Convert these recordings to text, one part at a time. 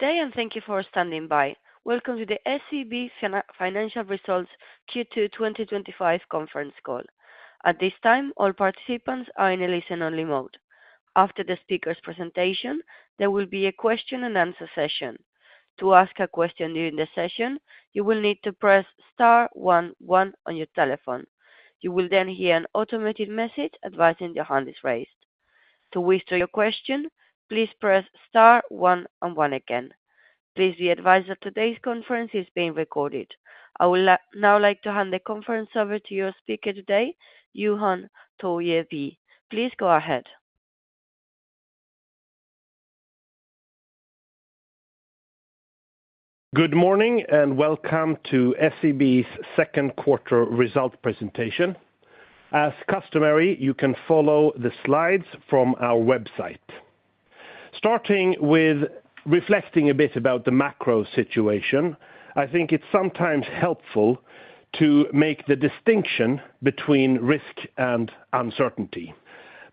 Today, and thank you for standing by. Welcome to the SEB Financial Results Q2 2025 conference call. At this time, all participants are in a listen-only mode. After the speaker's presentation, there will be a question-and-answer session. To ask a question during the session, you will need to press star one one on your telephone. You will then hear an automated message advising your hand is raised. To withdraw your question, please press star one one again. Please be advised that today's conference is being recorded. I would now like to hand the conference over to your speaker today, Johan Torgeby. Please go ahead. Good morning and welcome to SEB's second quarter result presentation. As customary, you can follow the slides from our website. Starting with reflecting a bit about the macro situation, I think it is sometimes helpful to make the distinction between risk and uncertainty.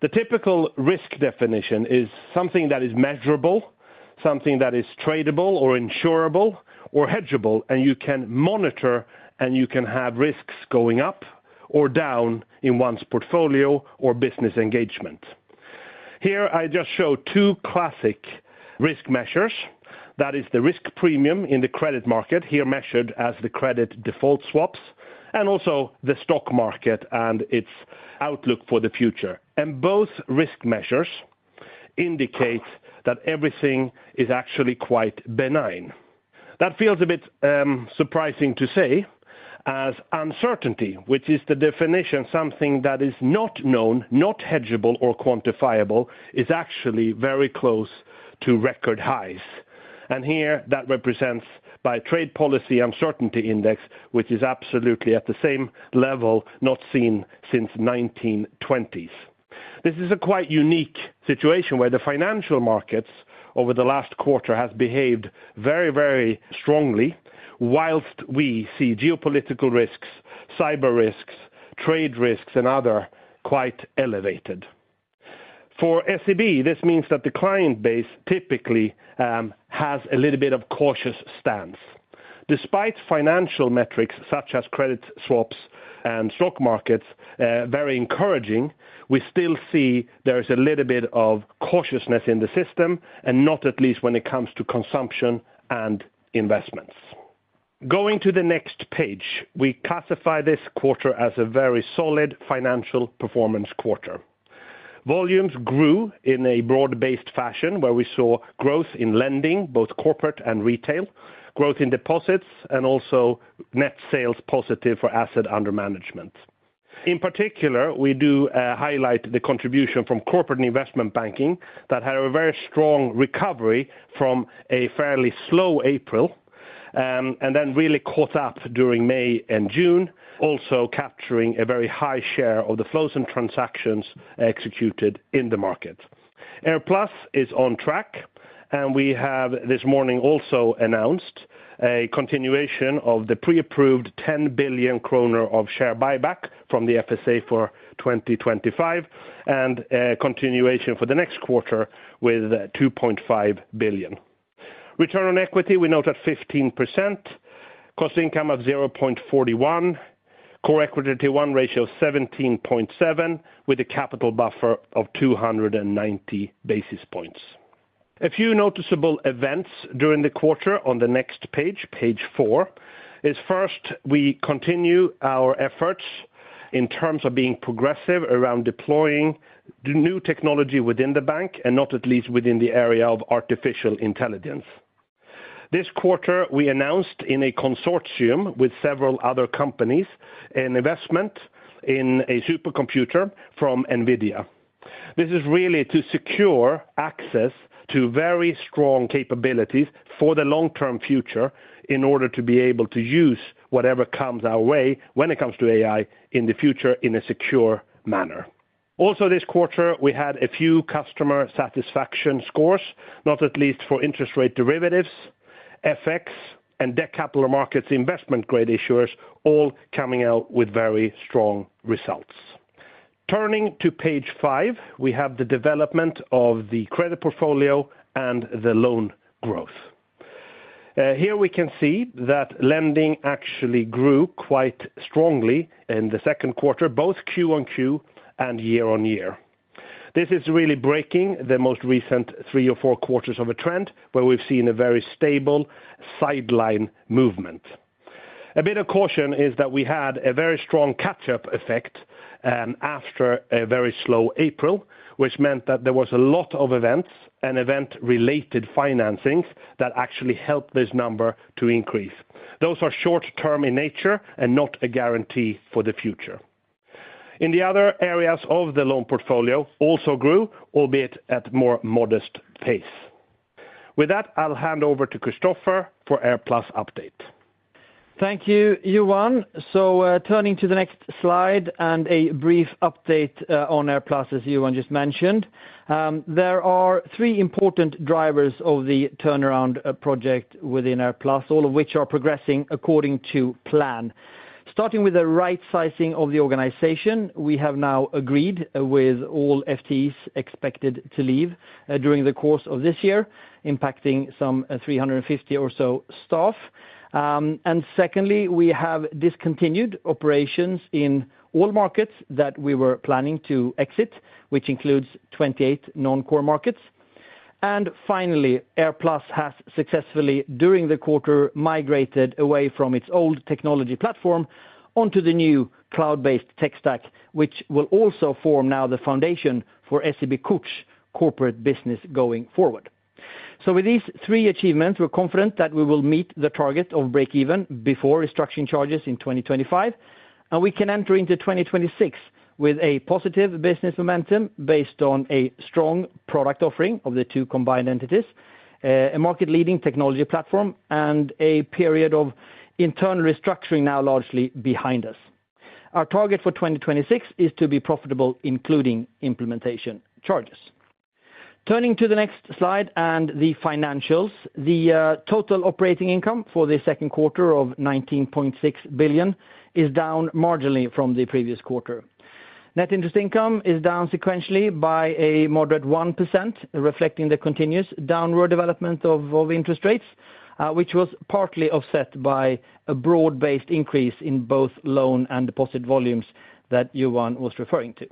The typical risk definition is something that is measurable, something that is tradable or insurable or hedgeable, and you can monitor, and you can have risks going up or down in one's portfolio or business engagement. Here, I just show two classic risk measures. That is the risk premium in the credit market, here measured as the credit default swaps, and also the stock market and its outlook for the future. Both risk measures indicate that everything is actually quite benign. That feels a bit surprising to say. As uncertainty, which is the definition, something that is not known, not hedgeable or quantifiable, is actually very close to record highs. Here, that is represented by the trade policy uncertainty index, which is absolutely at the same level not seen since the 1920s. This is a quite unique situation where the financial markets over the last quarter have behaved very, very strongly, whilst we see geopolitical risks, cyber risks, trade risks, and others quite elevated. For SEB, this means that the client base typically has a little bit of a cautious stance. Despite financial metrics such as credit swaps and stock markets being very encouraging, we still see there is a little bit of cautiousness in the system, and not at least when it comes to consumption and investments. Going to the next page, we classify this quarter as a very solid financial performance quarter. Volumes grew in a broad-based fashion, where we saw growth in lending, both corporate and retail, growth in deposits, and also net sales positive for asset under management. In particular, we do highlight the contribution from Corporate Investment Banking that had a very strong recovery from a fairly slow April. It really caught up during May and June, also capturing a very high share of the frozen transactions executed in the market. AirPlus is on track, and we have this morning also announced a continuation of the pre-approved 10 billion kronor of share buyback from the FSA for 2025, and a continuation for the next quarter with 2.5 billion. Return on equity, we note at 15%. Cost income of 0.41. Core equity tier one ratio of 17.7%, with a capital buffer of 290 basis points. A few noticeable events during the quarter on the next page, page four, is first we continue our efforts in terms of being progressive around deploying new technology within the bank, and not at least within the area of artificial intelligence. This quarter, we announced in a consortium with several other companies an investment in a supercomputer from NVIDIA. This is really to secure access to very strong capabilities for the long-term future in order to be able to use whatever comes our way when it comes to AI in the future in a secure manner. Also, this quarter, we had a few customer satisfaction scores, not at least for interest rate derivatives, FX, and debt capital markets investment-grade issuers, all coming out with very strong results. Turning to page five, we have the development of the credit portfolio and the loan growth. Here we can see that lending actually grew quite strongly in the second quarter, both Q-on-Q and year-on-year. This is really breaking the most recent three or four quarters of a trend where we've seen a very stable sideline movement. A bit of caution is that we had a very strong catch-up effect. After a very slow April, which meant that there was a lot of events and event-related financing that actually helped this number to increase. Those are short-term in nature and not a guarantee for the future. In the other areas of the loan portfolio, also grew, albeit at a more modest pace. With that, I'll hand over to Christoffer for AirPlus update. Thank you, Johan. Turning to the next slide and a brief update on AirPlus, as Johan just mentioned. There are three important drivers of the turnaround project within AirPlus, all of which are progressing according to plan. Starting with the right-sizing of the organization, we have now agreed with all FTEs expected to leave during the course of this year, impacting some 350 or so staff. Secondly, we have discontinued operations in all markets that we were planning to exit, which includes 28 non-core markets. Finally, AirPlus has successfully, during the quarter, migrated away from its old technology platform onto the new cloud-based tech stack, which will also now form the foundation for SEB Kort corporate business going forward. With these three achievements, we're confident that we will meet the target of break-even before restructuring charges in 2025, and we can enter into 2026 with a positive business momentum based on a strong product offering of the two combined entities, a market-leading technology platform, and a period of internal restructuring now largely behind us. Our target for 2026 is to be profitable, including implementation charges. Turning to the next slide and the financials, the total operating income for the second quarter of 19.6 billion is down marginally from the previous quarter. Net interest income is down sequentially by a moderate 1%, reflecting the continuous downward development of interest rates, which was partly offset by a broad-based increase in both loan and deposit volumes that Johan was referring to.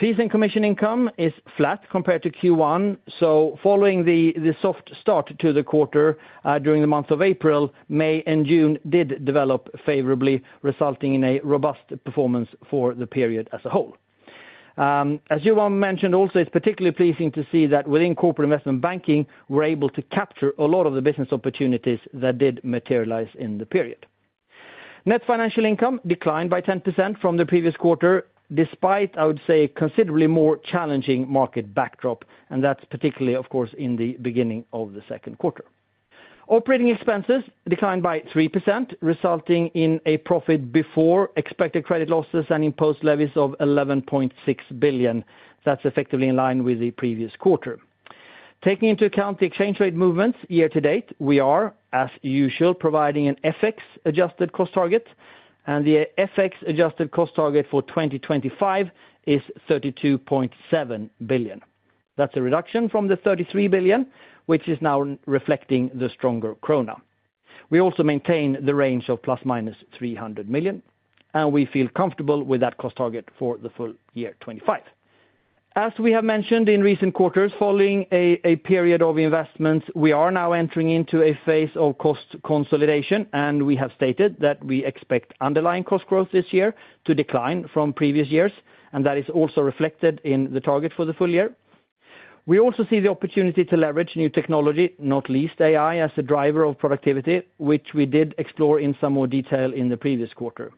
Fees and commission income is flat compared to Q1, so following the soft start to the quarter during the month of April, May, and June did develop favorably, resulting in a robust performance for the period as a whole. As Johan mentioned also, it's particularly pleasing to see that within corporate investment banking, we're able to capture a lot of the business opportunities that did materialize in the period. Net financial income declined by 10% from the previous quarter, despite, I would say, a considerably more challenging market backdrop, and that's particularly, of course, in the beginning of the second quarter. Operating expenses declined by 3%, resulting in a profit before expected credit losses and imposed levies of 11.6 billion. That's effectively in line with the previous quarter. Taking into account the exchange rate movements year to date, we are, as usual, providing an FX-adjusted cost target, and the FX-adjusted cost target for 2025 is 32.7 billion. That is a reduction from the 33 billion, which is now reflecting the stronger krona. We also maintain the range of ±300 million, and we feel comfortable with that cost target for the full year 2025. As we have mentioned in recent quarters, following a period of investments, we are now entering into a phase of cost consolidation, and we have stated that we expect underlying cost growth this year to decline from previous years, and that is also reflected in the target for the full year. We also see the opportunity to leverage new technology, not least AI, as a driver of productivity, which we did explore in some more detail in the previous quarter.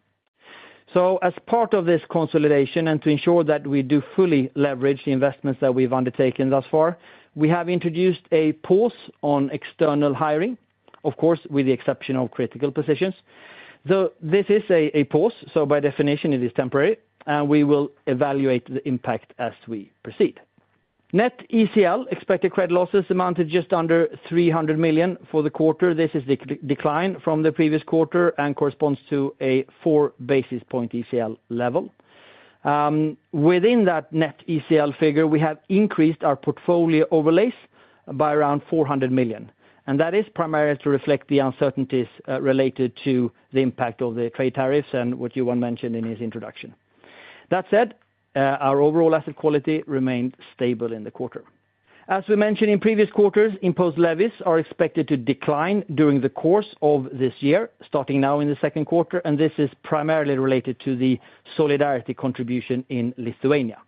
As part of this consolidation and to ensure that we do fully leverage the investments that we have undertaken thus far, we have introduced a pause on external hiring, of course, with the exception of critical positions. Though this is a pause, so by definition, it is temporary, and we will evaluate the impact as we proceed. Net ECL, expected credit losses, amounted to just under 300 million for the quarter. This is a decline from the previous quarter and corresponds to a four basis point ECL level. Within that net ECL figure, we have increased our portfolio overlays by around 400 million, and that is primarily to reflect the uncertainties related to the impact of the trade tariffs and what Johan mentioned in his introduction. That said, our overall asset quality remained stable in the quarter. As we mentioned in previous quarters, imposed levies are expected to decline during the course of this year, starting now in the second quarter, and this is primarily related to the solidarity contribution in Lithuania.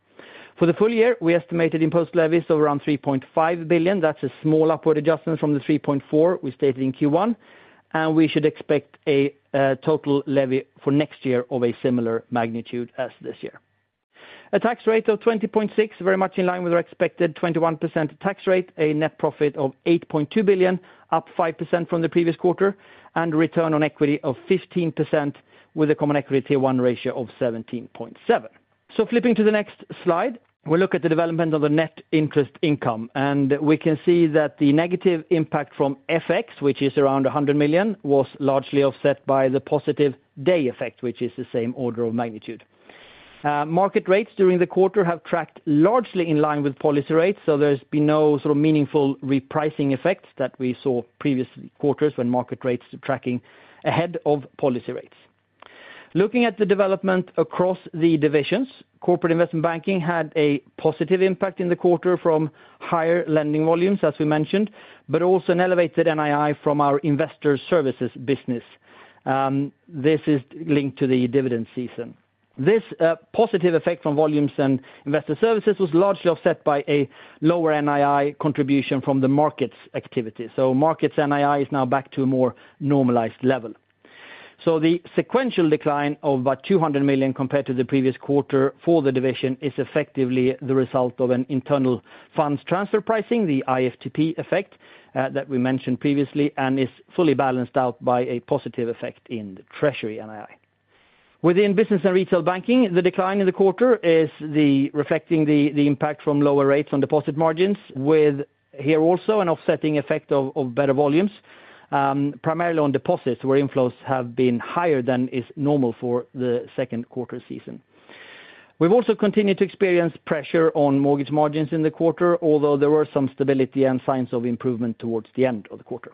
For the full year, we estimated imposed levies of around 3.5 billion. That's a small upward adjustment from the 3.4 billion we stated in Q1, and we should expect a total levy for next year of a similar magnitude as this year. A tax rate of 20.6%, very much in line with our expected 21% tax rate, a net profit of 8.2 billion, up 5% from the previous quarter, and a return on equity of 15% with a common equity tier one ratio of 17.7%. Flipping to the next slide, we'll look at the development of the net interest income, and we can see that the negative impact from FX, which is around 100 million, was largely offset by the positive day effect, which is the same order of magnitude. Market rates during the quarter have tracked largely in line with policy rates, so there's been no sort of meaningful repricing effect that we saw previous quarters when market rates were tracking ahead of policy rates. Looking at the development across the divisions, Corporate Investment Banking had a positive impact in the quarter from higher lending volumes, as we mentioned, but also an elevated NII from our investor services business. This is linked to the dividend season. This positive effect from volumes and investor services was largely offset by a lower NII contribution from the markets activity. Markets NII is now back to a more normalized level. The sequential decline of about 200 million compared to the previous quarter for the division is effectively the result of an internal funds transfer pricing, the IFTP effect that we mentioned previously, and is fully balanced out by a positive effect in the treasury NII. Within business and retail banking, the decline in the quarter is reflecting the impact from lower rates on deposit margins, with here also an offsetting effect of better volumes, primarily on deposits where inflows have been higher than is normal for the second quarter season. We've also continued to experience pressure on mortgage margins in the quarter, although there were some stability and signs of improvement towards the end of the quarter.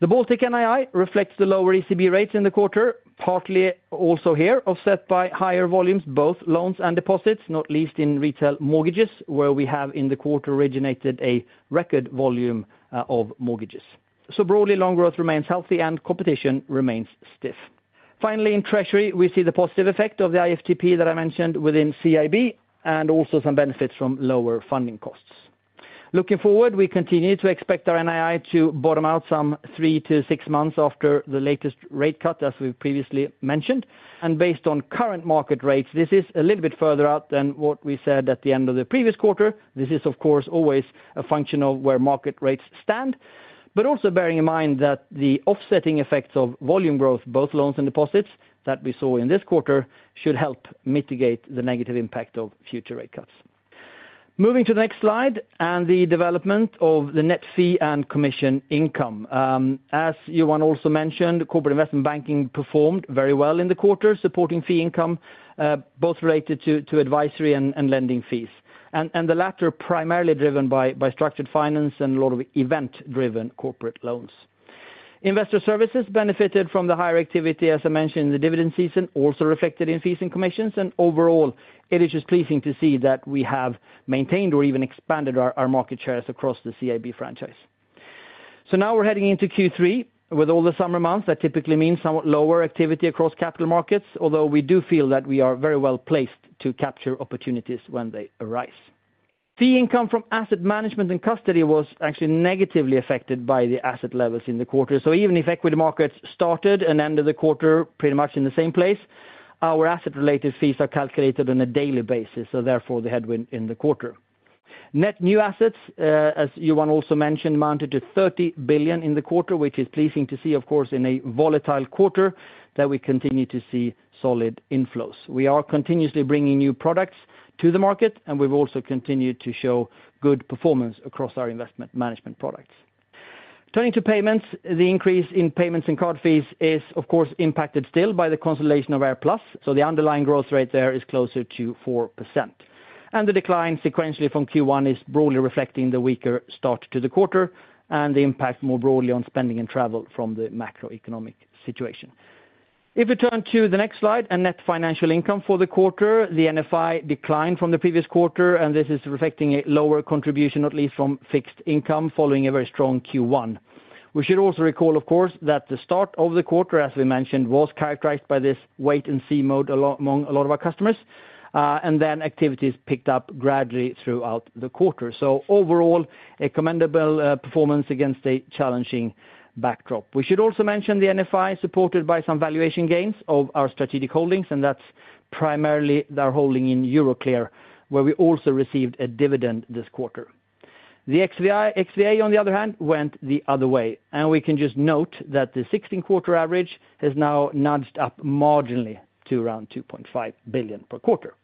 The Baltic NII reflects the lower ECB rates in the quarter, partly also here offset by higher volumes, both loans and deposits, not least in retail mortgages, where we have in the quarter originated a record volume of mortgages. Broadly, loan growth remains healthy and competition remains stiff. Finally, in treasury, we see the positive effect of the IFTP that I mentioned within CIB and also some benefits from lower funding costs. Looking forward, we continue to expect our NII to bottom out some three to six months after the latest rate cut, as we have previously mentioned. Based on current market rates, this is a little bit further out than what we said at the end of the previous quarter. This is, of course, always a function of where market rates stand, but also bearing in mind that the offsetting effects of volume growth, both loans and deposits that we saw in this quarter, should help mitigate the negative impact of future rate cuts. Moving to the next slide and the development of the net fee and commission income. As Johan also mentioned, corporate investment banking performed very well in the quarter, supporting fee income, both related to advisory and lending fees, and the latter primarily driven by structured finance and a lot of event-driven corporate loans. Investor services benefited from the higher activity, as I mentioned, in the dividend season, also reflected in fees and commissions, and overall, it is just pleasing to see that we have maintained or even expanded our market shares across the CIB franchise. Now we're heading into Q3 with all the summer months. That typically means somewhat lower activity across capital markets, although we do feel that we are very well placed to capture opportunities when they arise. Fee income from asset management and custody was actually negatively affected by the asset levels in the quarter. Even if equity markets started and ended the quarter pretty much in the same place, our asset-related fees are calculated on a daily basis, so therefore the headwind in the quarter. Net new assets, as Johan also mentioned, amounted to 30 billion in the quarter, which is pleasing to see, of course, in a volatile quarter that we continue to see solid inflows. We are continuously bringing new products to the market, and we have also continued to show good performance across our investment management products. Turning to payments, the increase in payments and card fees is, of course, impacted still by the consolidation of AirPlus. The underlying growth rate there is closer to 4%. The decline sequentially from Q1 is broadly reflecting the weaker start to the quarter and the impact more broadly on spending and travel from the macroeconomic situation. If we turn to the next slide, net financial income for the quarter, the NFI declined from the previous quarter, and this is reflecting a lower contribution, not least from fixed income, following a very strong Q1. We should also recall, of course, that the start of the quarter, as we mentioned, was characterized by this wait-and-see mode among a lot of our customers, and then activities picked up gradually throughout the quarter. Overall, a commendable performance against a challenging backdrop. We should also mention the NFI supported by some valuation gains of our strategic holdings, and that is primarily our holding in Euroclear, where we also received a dividend this quarter. The XVA, on the other hand, went the other way, and we can just note that the 16-quarter average has now nudged up marginally to around 2.5 billion per quarter.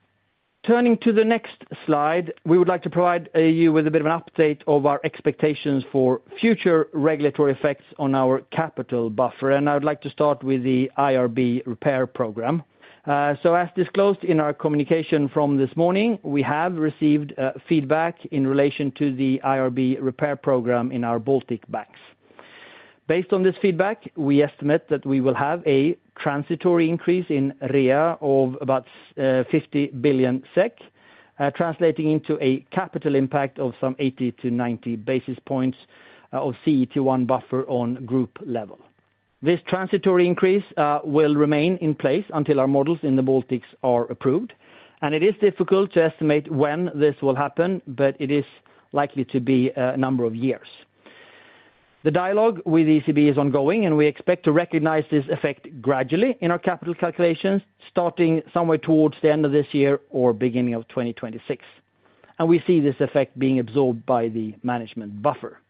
Turning to the next slide, we would like to provide you with a bit of an update of our expectations for future regulatory effects on our capital buffer, and I would like to start with the IRB repair program. As disclosed in our communication from this morning, we have received feedback in relation to the IRB repair program in our Baltic banks. Based on this feedback, we estimate that we will have a transitory increase in REA of about 50 billion SEK, translating into a capital impact of some 80-90 basis points of CET1 buffer on group level. This transitory increase will remain in place until our models in the Baltics are approved, and it is difficult to estimate when this will happen, but it is likely to be a number of years. The dialogue with ECB is ongoing, and we expect to recognize this effect gradually in our capital calculations, starting somewhere towards the end of this year or beginning of 2026. We see this effect being absorbed by the management buffer.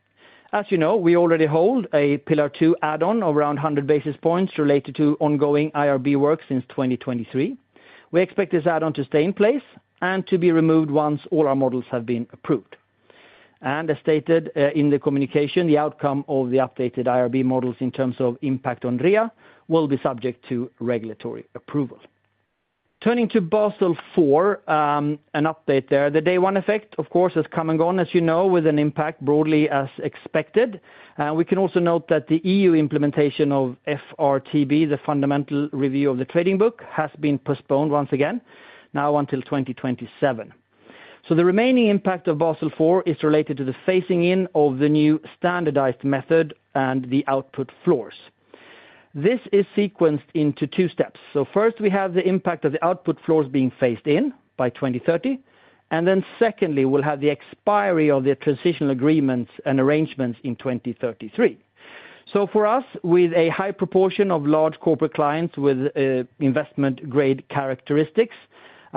As you know, we already hold a Pillar 2 add-on of around 100 basis points related to ongoing IRB work since 2023. We expect this add-on to stay in place and to be removed once all our models have been approved. As stated in the communication, the outcome of the updated IRB models in terms of impact on REA will be subject to regulatory approval. Turning to Basel IV, an update there. The day one effect, of course, has come and gone, as you know, with an impact broadly as expected. We can also note that the EU implementation of FRTB, the Fundamental Review of the Trading Book, has been postponed once again, now until 2027. The remaining impact of Basel IV is related to the phasing in of the new standardized method and the output floors. This is sequenced into two steps. First, we have the impact of the output floors being phased in by 2030, and then we will have the expiry of the transitional agreements and arrangements in 2033. For us, with a high proportion of large corporate clients with investment-grade characteristics,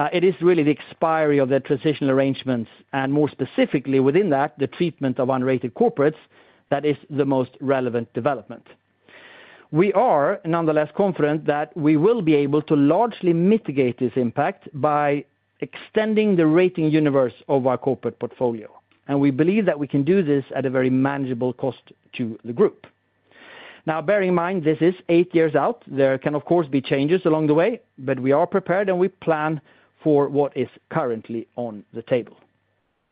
it is really the expiry of their transitional arrangements, and more specifically within that, the treatment of unrated corporates that is the most relevant development. We are nonetheless confident that we will be able to largely mitigate this impact by extending the rating universe of our corporate portfolio, and we believe that we can do this at a very manageable cost to the group. Now, bearing in mind this is eight years out, there can, of course, be changes along the way, but we are prepared and we plan for what is currently on the table.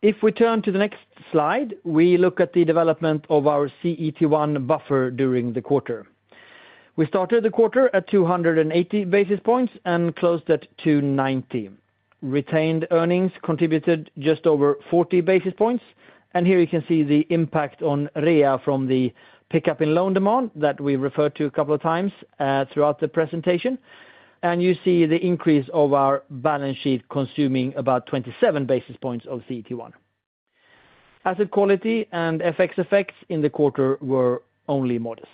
If we turn to the next slide, we look at the development of our CET1 buffer during the quarter. We started the quarter at 280 basis points and closed at 290. Retained earnings contributed just over 40 basis points, and here you can see the impact on REA from the pickup in loan demand that we referred to a couple of times throughout the presentation, and you see the increase of our balance sheet consuming about 27 basis points of CET1. Asset quality and FX effects in the quarter were only modest.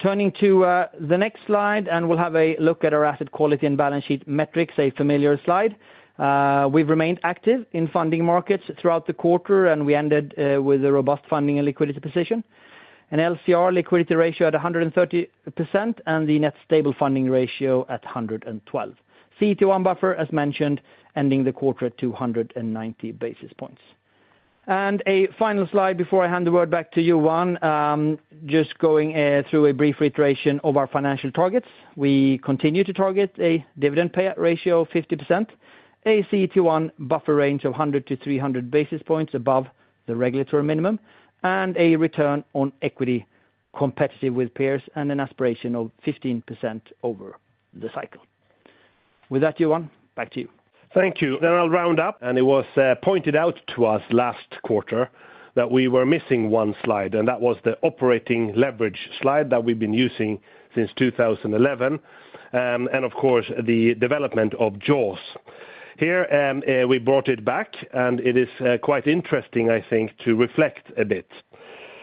Turning to the next slide, and we will have a look at our asset quality and balance sheet metrics, a familiar slide. We have remained active in funding markets throughout the quarter, and we ended with a robust funding and liquidity position, an LCR liquidity ratio at 130%, and the net stable funding ratio at 112%. CET1 buffer, as mentioned, ending the quarter at 290 basis points. A final slide before I hand the word back to Johan. Just going through a brief reiteration of our financial targets. We continue to target a dividend payout ratio of 50%, a CET1 buffer range of 100-300 basis points above the regulatory minimum, and a return on equity competitive with peers and an aspiration of 15% over the cycle. With that, Johan, back to you. Thank you. I will round up. It was pointed out to us last quarter that we were missing one slide, and that was the operating leverage slide that we have been using since 2011. Of course, the development of jaws. Here, we brought it back, and it is quite interesting, I think, to reflect a bit.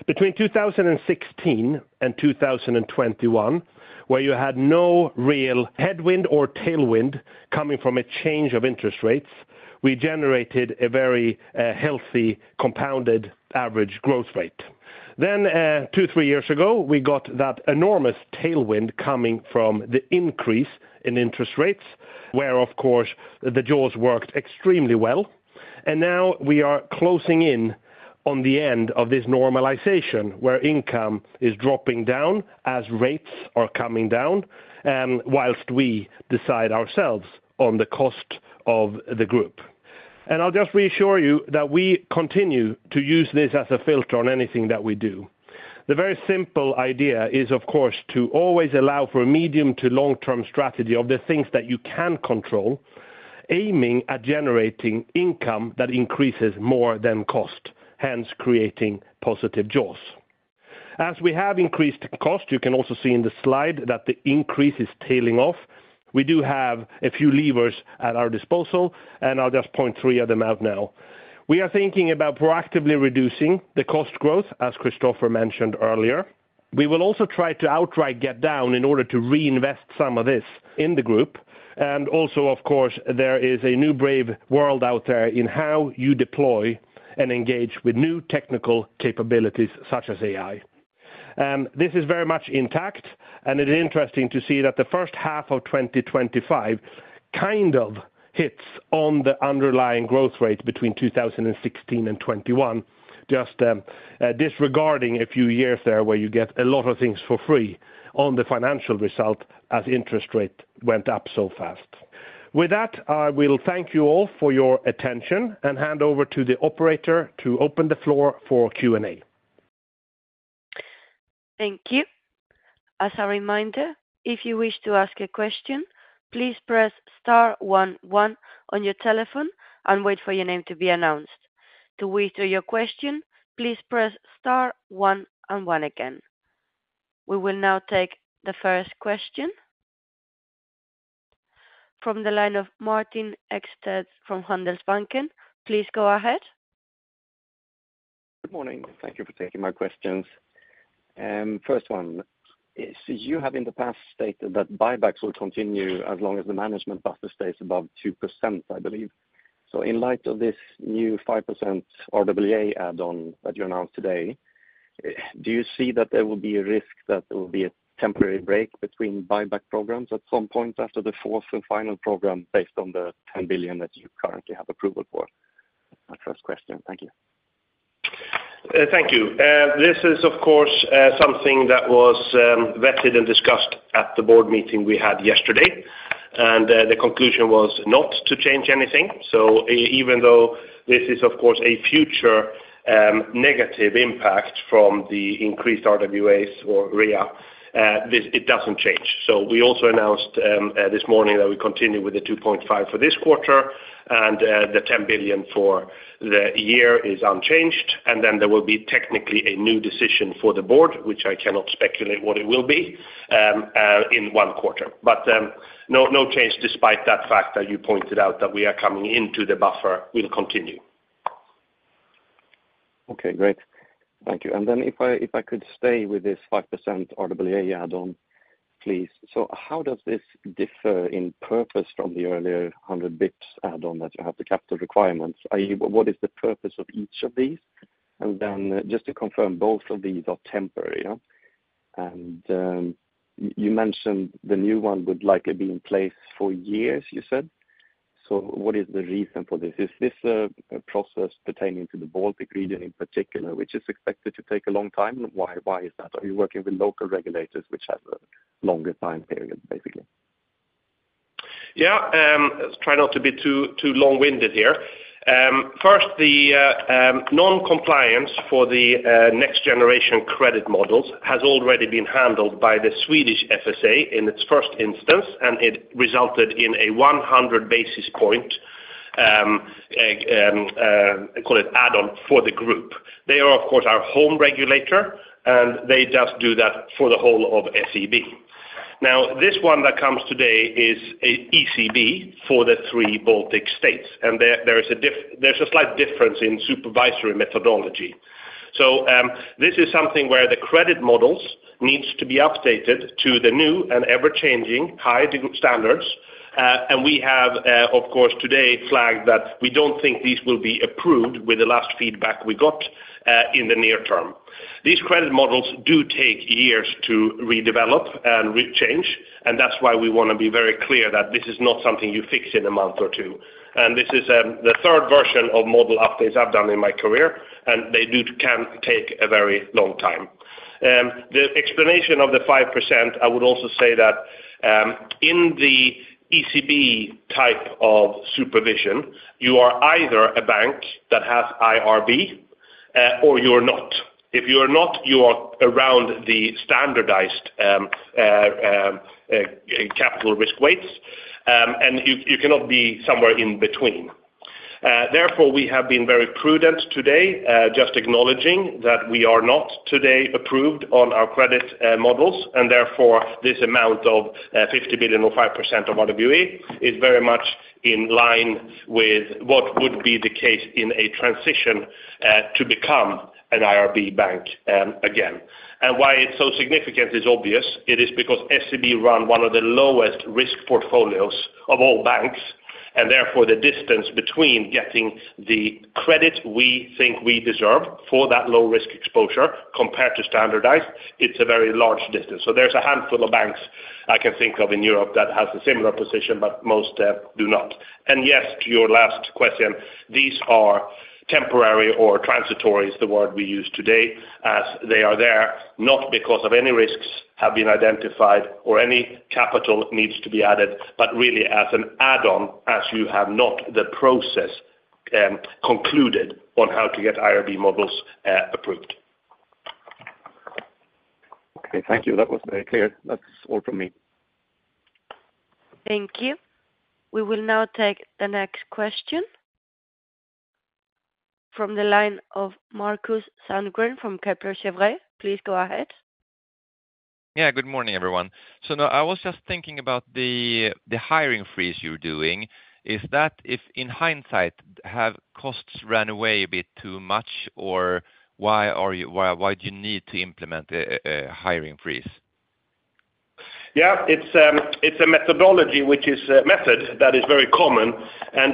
Between 2016 and 2021, where you had no real headwind or tailwind coming from a change of interest rates, we generated a very healthy compounded average growth rate. Two or three years ago, we got that enormous tailwind coming from the increase in interest rates, where, of course, the jaws worked extremely well. Now we are closing in on the end of this normalization, where income is dropping down as rates are coming down. Whilst we decide ourselves on the cost of the group, I'll just reassure you that we continue to use this as a filter on anything that we do. The very simple idea is, of course, to always allow for a medium to long-term strategy of the things that you can control, aiming at generating income that increases more than cost, hence creating positive jaws. As we have increased cost, you can also see in the slide that the increase is tailing off. We do have a few levers at our disposal, and I'll just point three of them out now. We are thinking about proactively reducing the cost growth, as Christoffer mentioned earlier. We will also try to outright get down in order to reinvest some of this in the group. Also, of course, there is a new brave world out there in how you deploy and engage with new technical capabilities such as AI. This is very much intact, and it is interesting to see that the first half of 2025 kind of hits on the underlying growth rate between 2016 and 2021, just disregarding a few years there where you get a lot of things for free on the financial result as interest rate went up so fast. With that, I will thank you all for your attention and hand over to the operator to open the floor for Q&A. Thank you. As a reminder, if you wish to ask a question, please press star one one on your telephone and wait for your name to be announced. To withdraw your question, please press star one one again. We will now take the first question. From the line of Martin Eksted from Handelsbanken, please go ahead. Good morning. Thank you for taking my questions. First one. You have in the past stated that buybacks will continue as long as the management buffer stays above 2%, I believe. In light of this new 5% RWA add-on that you announced today, do you see that there will be a risk that there will be a temporary break between buyback programs at some point after the fourth and final program based on the 10 billion that you currently have approval for? That is the first question. Thank you. Thank you. This is, of course, something that was vetted and discussed at the board meeting we had yesterday, and the conclusion was not to change anything. Even though this is, of course, a future negative impact from the increased RWAs or REA, it does not change. We also announced this morning that we continue with the 2.5 billion for this quarter, and the 10 billion for the year is unchanged. There will be technically a new decision for the board, which I cannot speculate what it will be in one quarter. No change despite the fact that you pointed out that we are coming into the buffer will continue. Okay, great. Thank you. If I could stay with this 5% RWA add-on, please. How does this differ in purpose from the earlier 100 basis points add-on that you have in the capital requirements? What is the purpose of each of these? And then just to confirm, both of these are temporary. You mentioned the new one would likely be in place for years, you said. What is the reason for this? Is this a process pertaining to the Baltic region in particular, which is expected to take a long time? Why is that? Are you working with local regulators, which has a longer time period, basically? Yeah, let's try not to be too long-winded here. First, the non-compliance for the next generation credit models has already been handled by the Swedish FSA in its first instance, and it resulted in a 100 basis point, call it, add-on for the group. They are, of course, our home regulator, and they just do that for the whole of SEB. Now, this one that comes today is an ECB for the three Baltic states, and there is a slight difference in supervisory methodology. This is something where the credit models need to be updated to the new and ever-changing high standards. We have, of course, today flagged that we do not think these will be approved with the last feedback we got in the near term. These credit models do take years to redevelop and change, and that is why we want to be very clear that this is not something you fix in a month or two. This is the third version of model updates I have done in my career, and they can take a very long time. The explanation of the 5%, I would also say that. In the ECB type of supervision, you are either a bank that has IRB or you are not. If you are not, you are around the standardized capital risk weights, and you cannot be somewhere in between. Therefore, we have been very prudent today, just acknowledging that we are not today approved on our credit models, and therefore this amount of 50 billion or 5% of RWA is very much in line with what would be the case in a transition to become an IRB bank again. Why it is so significant is obvious. It is because SEB ran one of the lowest risk portfolios of all banks, and therefore the distance between getting the credit we think we deserve for that low risk exposure compared to standardized, it is a very large distance. There is a handful of banks I can think of in Europe that have a similar position, but most do not. Yes, to your last question, these are temporary or transitory, is the word we use today, as they are there not because any risks have been identified or any capital needs to be added, but really as an add-on, as you have not the process concluded on how to get IRB models approved. Okay, thank you. That was very clear. That's all from me. Thank you. We will now take the next question. From the line of Markus Sandgren from Kepler Cheuvreux, please go ahead. Yeah, good morning, everyone. I was just thinking about the hiring freeze you're doing. Is that, in hindsight, have costs run away a bit too much, or why do you need to implement a hiring freeze? Yeah, it's a methodology which is a method that is very common.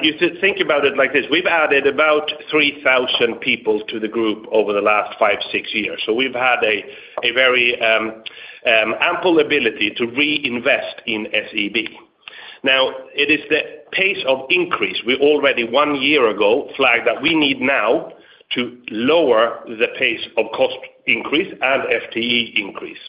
You think about it like this: we've added about 3,000 people to the group over the last five, six years. We've had a very ample ability to reinvest in SEB. Now, it is the pace of increase. We already one year ago flagged that we need now to lower the pace of cost increase and FTE increase.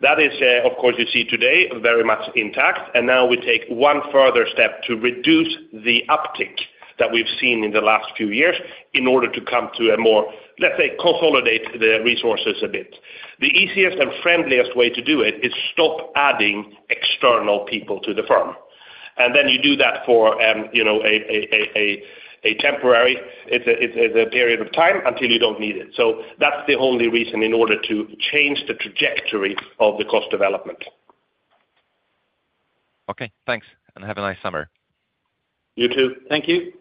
That is, of course, you see today very much intact, and now we take one further step to reduce the uptick that we've seen in the last few years in order to come to a more, let's say, consolidate the resources a bit. The easiest and friendliest way to do it is to stop adding external people to the firm. You do that for a temporary, it's a period of time until you don't need it. That's the only reason in order to change the trajectory of the cost development. Okay, thanks. And have a nice summer. You too. Thank you.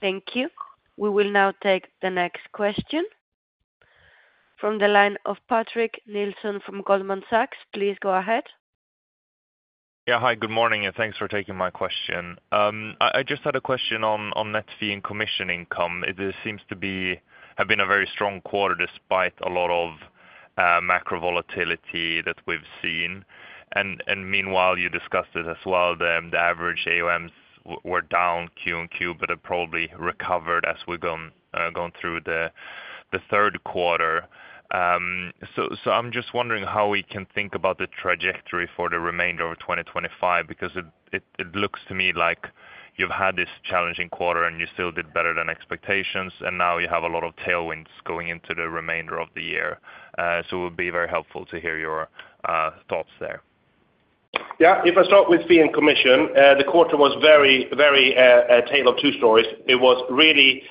Thank you. We will now take the next question. From the line of Patrik Nilsson from Goldman Sachs, please go ahead. Yeah, hi, good morning, and thanks for taking my question. I just had a question on net fee and commission income. This seems to have been a very strong quarter despite a lot of macro volatility that we've seen. Meanwhile, you discussed it as well, the average AUMs were down Q-on-Q, but they probably recovered as we've gone through the third quarter. I'm just wondering how we can think about the trajectory for the remainder of 2025, because it looks to me like you've had this challenging quarter and you still did better than expectations, and now you have a lot of tailwinds going into the remainder of the year. It would be very helpful to hear your thoughts there. Yeah, if I start with fee and commission, the quarter was very, very tale of two stories. It was really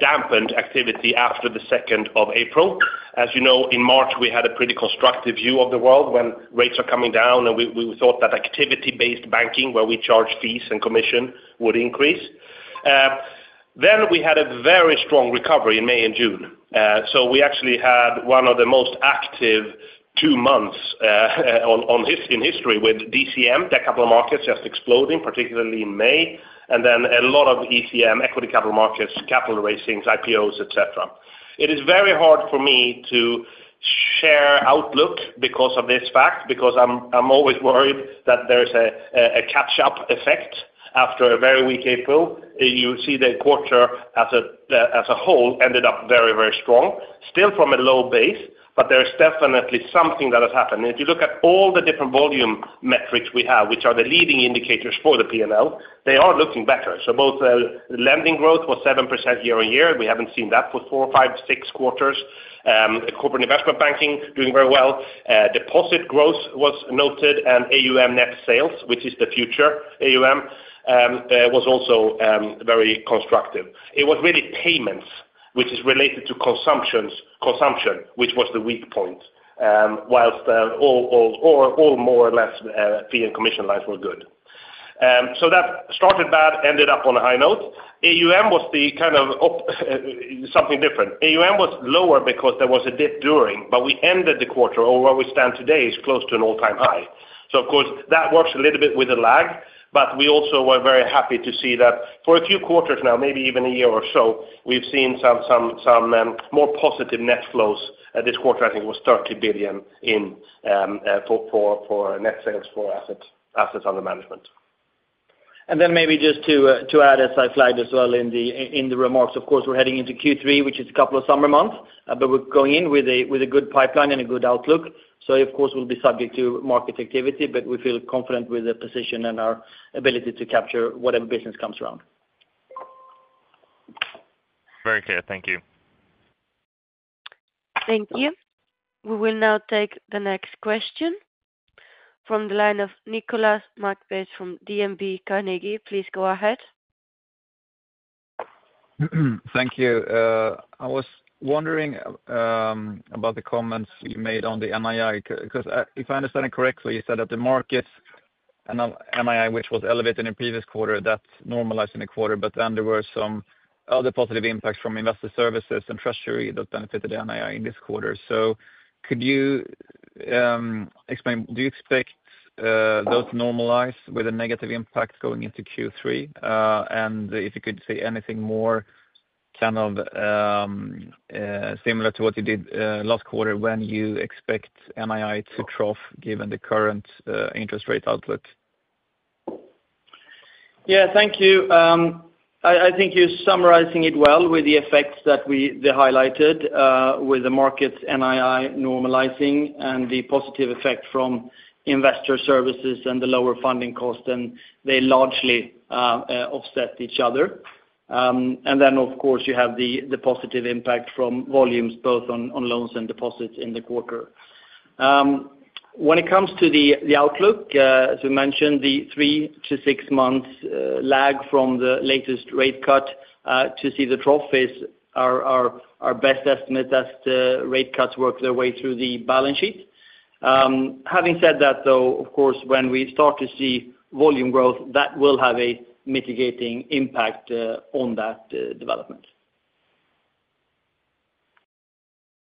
dampened activity after the 2nd of April. As you know, in March, we had a pretty constructive view of the world when rates are coming down, and we thought that activity-based banking, where we charge fees and commission, would increase. We had a very strong recovery in May and June. We actually had one of the most active two months. In history with DCM, the capital markets just exploding, particularly in May, and then a lot of ECM, equity capital markets, capital raisings, IPOs, etc. It is very hard for me to share outlook because of this fact, because I'm always worried that there is a catch-up effect after a very weak April. You see the quarter as a whole ended up very, very strong, still from a low base, but there is definitely something that has happened. If you look at all the different volume metrics we have, which are the leading indicators for the P&L, they are looking better. Both the lending growth was 7% year-on-year. We haven't seen that for four, five, six quarters. Corporate investment banking doing very well. Deposit growth was noted, and AUM net sales, which is the future AUM, was also very constructive. It was really payments, which is related to consumption, which was the weak point. Whilst all more or less fee and commission lines were good. That started bad, ended up on a high note. AUM was the kind of something different. AUM was lower because there was a dip during, but we ended the quarter, or where we stand today is close to an all-time high. Of course, that works a little bit with a lag, but we also were very happy to see that for a few quarters now, maybe even a year or so, we've seen some more positive net flows this quarter. I think it was 30 billion for net sales for assets under management. Maybe just to add as I flagged as well in the remarks, of course, we're heading into Q3, which is a couple of summer months, but we're going in with a good pipeline and a good outlook. Of course, we'll be subject to market activity, but we feel confident with the position and our ability to capture whatever business comes around. Very clear. Thank you. Thank you. We will now take the next question. From the line of Nicolas McBeath from DNB Carnegie, please go ahead. Thank you. I was wondering about the comments you made on the NII, because if I understand it correctly, you said that the market and NII, which was elevated in the previous quarter, that normalized in the quarter, but then there were some other positive impacts from investor services and treasury that benefited the NII in this quarter. So could you explain, do you expect those to normalize with a negative impact going into Q3? If you could say anything more, kind of similar to what you did last quarter, when you expect NII to trough given the current interest rate outlook? Yeah, thank you. I think you're summarizing it well with the effects that they highlighted with the markets NII normalizing and the positive effect from investor services and the lower funding cost, and they largely offset each other. Of course, you have the positive impact from volumes, both on loans and deposits in the quarter. When it comes to the outlook, as we mentioned, the three- to six-month lag from the latest rate cut to see the trough is our best estimate as the rate cuts work their way through the balance sheet. Having said that, though, of course, when we start to see volume growth, that will have a mitigating impact on that development.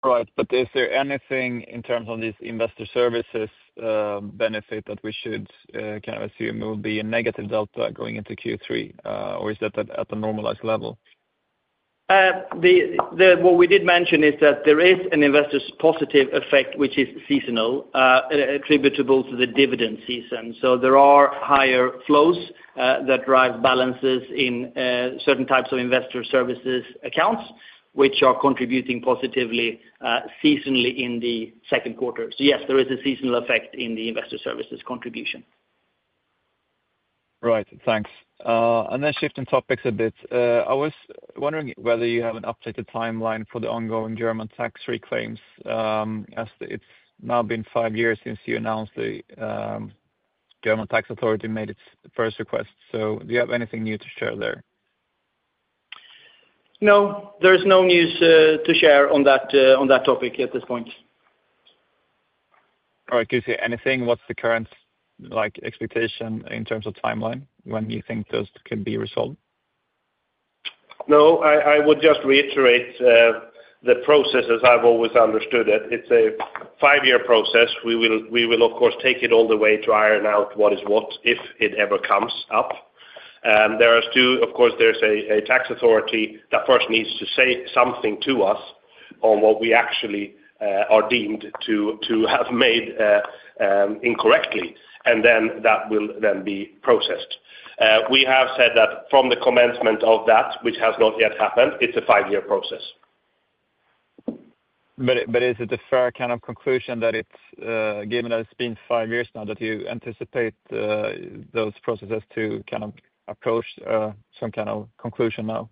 Right, but is there anything in terms of these investor services benefits that we should kind of assume will be a negative delta going into Q3, or is that at a normalized level? What we did mention is that there is an investor's positive effect, which is seasonal, attributable to the dividend season. There are higher flows that drive balances in certain types of investor services accounts, which are contributing positively seasonally in the second quarter. Yes, there is a seasonal effect in the investor services contribution. Right, thanks. Shifting topics a bit, I was wondering whether you have an updated timeline for the ongoing German tax reclaims. As it's now been five years since you announced the German tax authority made its first request. Do you have anything new to share there? No, there's no news to share on that topic at this point. All right, could you say anything? What's the current expectation in terms of timeline when you think those can be resolved? No, I would just reiterate the process as I've always understood it. It's a five-year process. We will, of course, take it all the way to iron out what is what if it ever comes up. There are two, of course, there's a tax authority that first needs to say something to us on what we actually are deemed to have made incorrectly, and then that will then be processed. We have said that from the commencement of that, which has not yet happened, it's a five-year process. Is it a fair kind of conclusion that it's, given that it's been five years now, that you anticipate those processes to kind of approach some kind of conclusion now?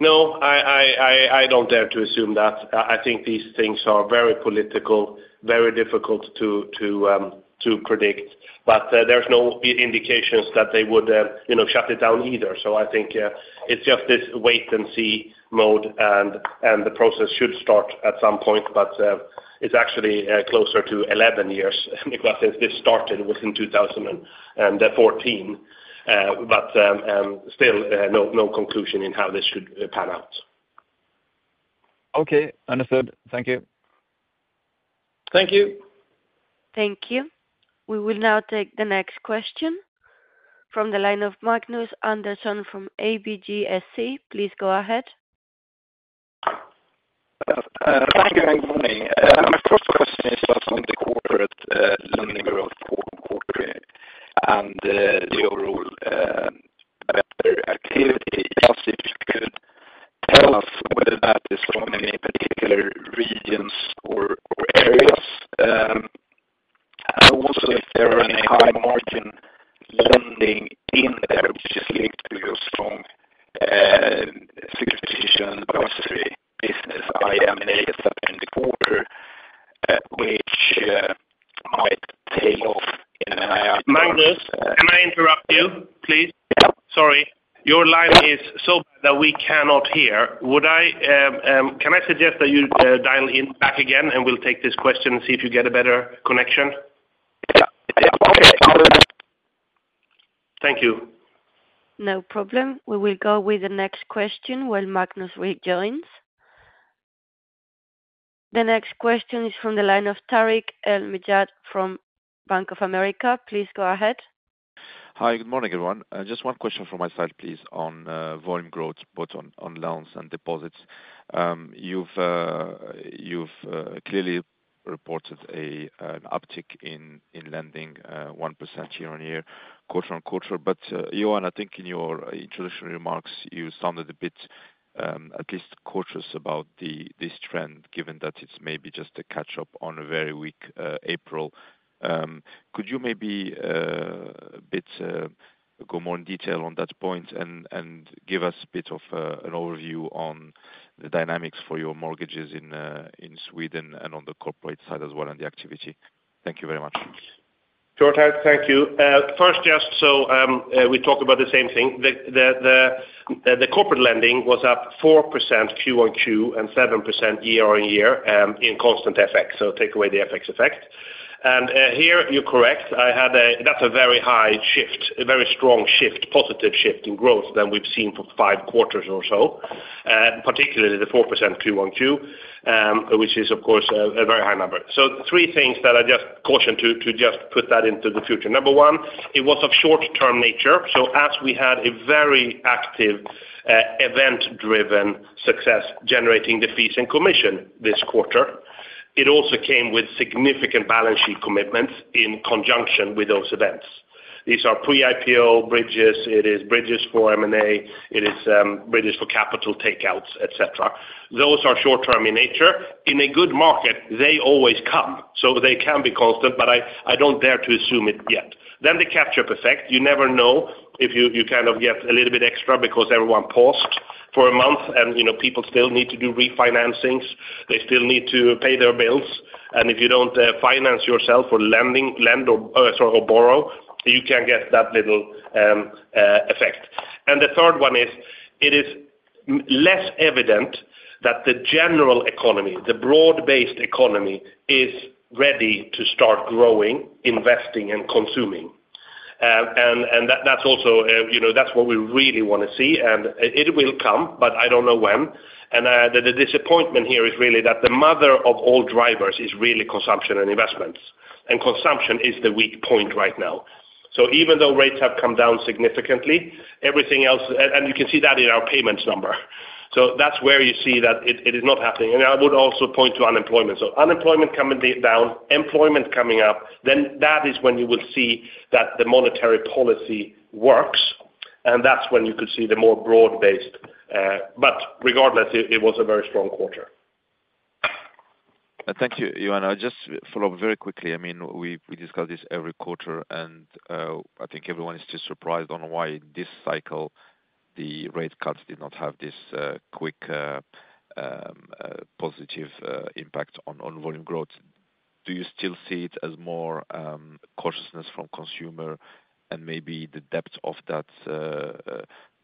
No. I don't dare to assume that. I think these things are very political, very difficult to predict, but there's no indications that they would shut it down either. I think it's just this wait-and-see mode, and the process should start at some point, but it's actually closer to 11 years because this started in 2014. Still, no conclusion in how this should pan out. Okay, understood. Thank you. Thank you. Thank you. We will now take the next question from the line of Magnus Andersson from ABGSC. Please go ahead. Thank you, good morning. My first question is just on the corporate lending growth quarterly and the overall better activity. Just if you could tell us whether that is from any particular regions or areas. Also, if there are any high-margin lending in there, which is linked to your strong security and advisory business, IMA in the quarter, which might take off in an— Magnus, can I interrupt you, please? Sorry. Your line is so bad that we cannot hear. Can I suggest that you dial in back again, and we will take this question and see if you get a better connection? Yeah. Yeah, okay. Thank you. No problem. We will go with the next question when Magnus rejoins. The next question is from the line of Tarik El Mejjad from Bank of America. Please go ahead. Hi, good morning, everyone. Just one question from my side, please, on volume growth, both on loans and deposits. You have clearly reported an uptick in lending, 1% year-on-year, quarter-on-quarter. Johan, I think in your introduction remarks, you sounded a bit, at least cautious, about this trend, given that it's maybe just a catch-up on a very weak April. Could you maybe, a bit, go more in detail on that point and give us a bit of an overview on the dynamics for your mortgages in Sweden and on the corporate side as well and the activity? Thank you very much. It's Johan, thank you. First, just so we talk about the same thing. The corporate lending was up 4% Q-on-Q and 7% year-on-year in constant FX, so take away the FX effect. Here, you're correct. That's a very high shift, a very strong shift, positive shift in growth than we've seen for five quarters or so, particularly the 4% Q-on-Q. Which is, of course, a very high number. Three things that I just caution to just put that into the future. Number one, it was of short-term nature. As we had a very active, event-driven success generating the fees and commission this quarter, it also came with significant balance sheet commitments in conjunction with those events. These are pre-IPO bridges, it is bridges for M&A, it is bridges for capital takeouts, etc. Those are short-term in nature. In a good market, they always come, so they can be constant, but I do not dare to assume it yet. Then the catch-up effect. You never know if you kind of get a little bit extra because everyone paused for a month, and people still need to do refinancings. They still need to pay their bills. If you do not finance yourself or lend or borrow, you can get that little effect. The third one is it is less evident that the general economy, the broad-based economy, is ready to start growing, investing, and consuming. That is also what we really want to see, and it will come, but I do not know when. The disappointment here is really that the mother of all drivers is really consumption and investments. Consumption is the weak point right now. Even though rates have come down significantly, everything else—and you can see that in our payments number—that is where you see that it is not happening. I would also point to unemployment. Unemployment coming down, employment coming up, then that is when you will see that the monetary policy works. That is when you could see the more broad-based. Regardless, it was a very strong quarter. Thank you, Johan. I'll just follow up very quickly. I mean, we discuss this every quarter, and I think everyone is just surprised on why this cycle the rate cuts did not have this quick, positive impact on volume growth. Do you still see it as more cautiousness from consumer and maybe the depth of that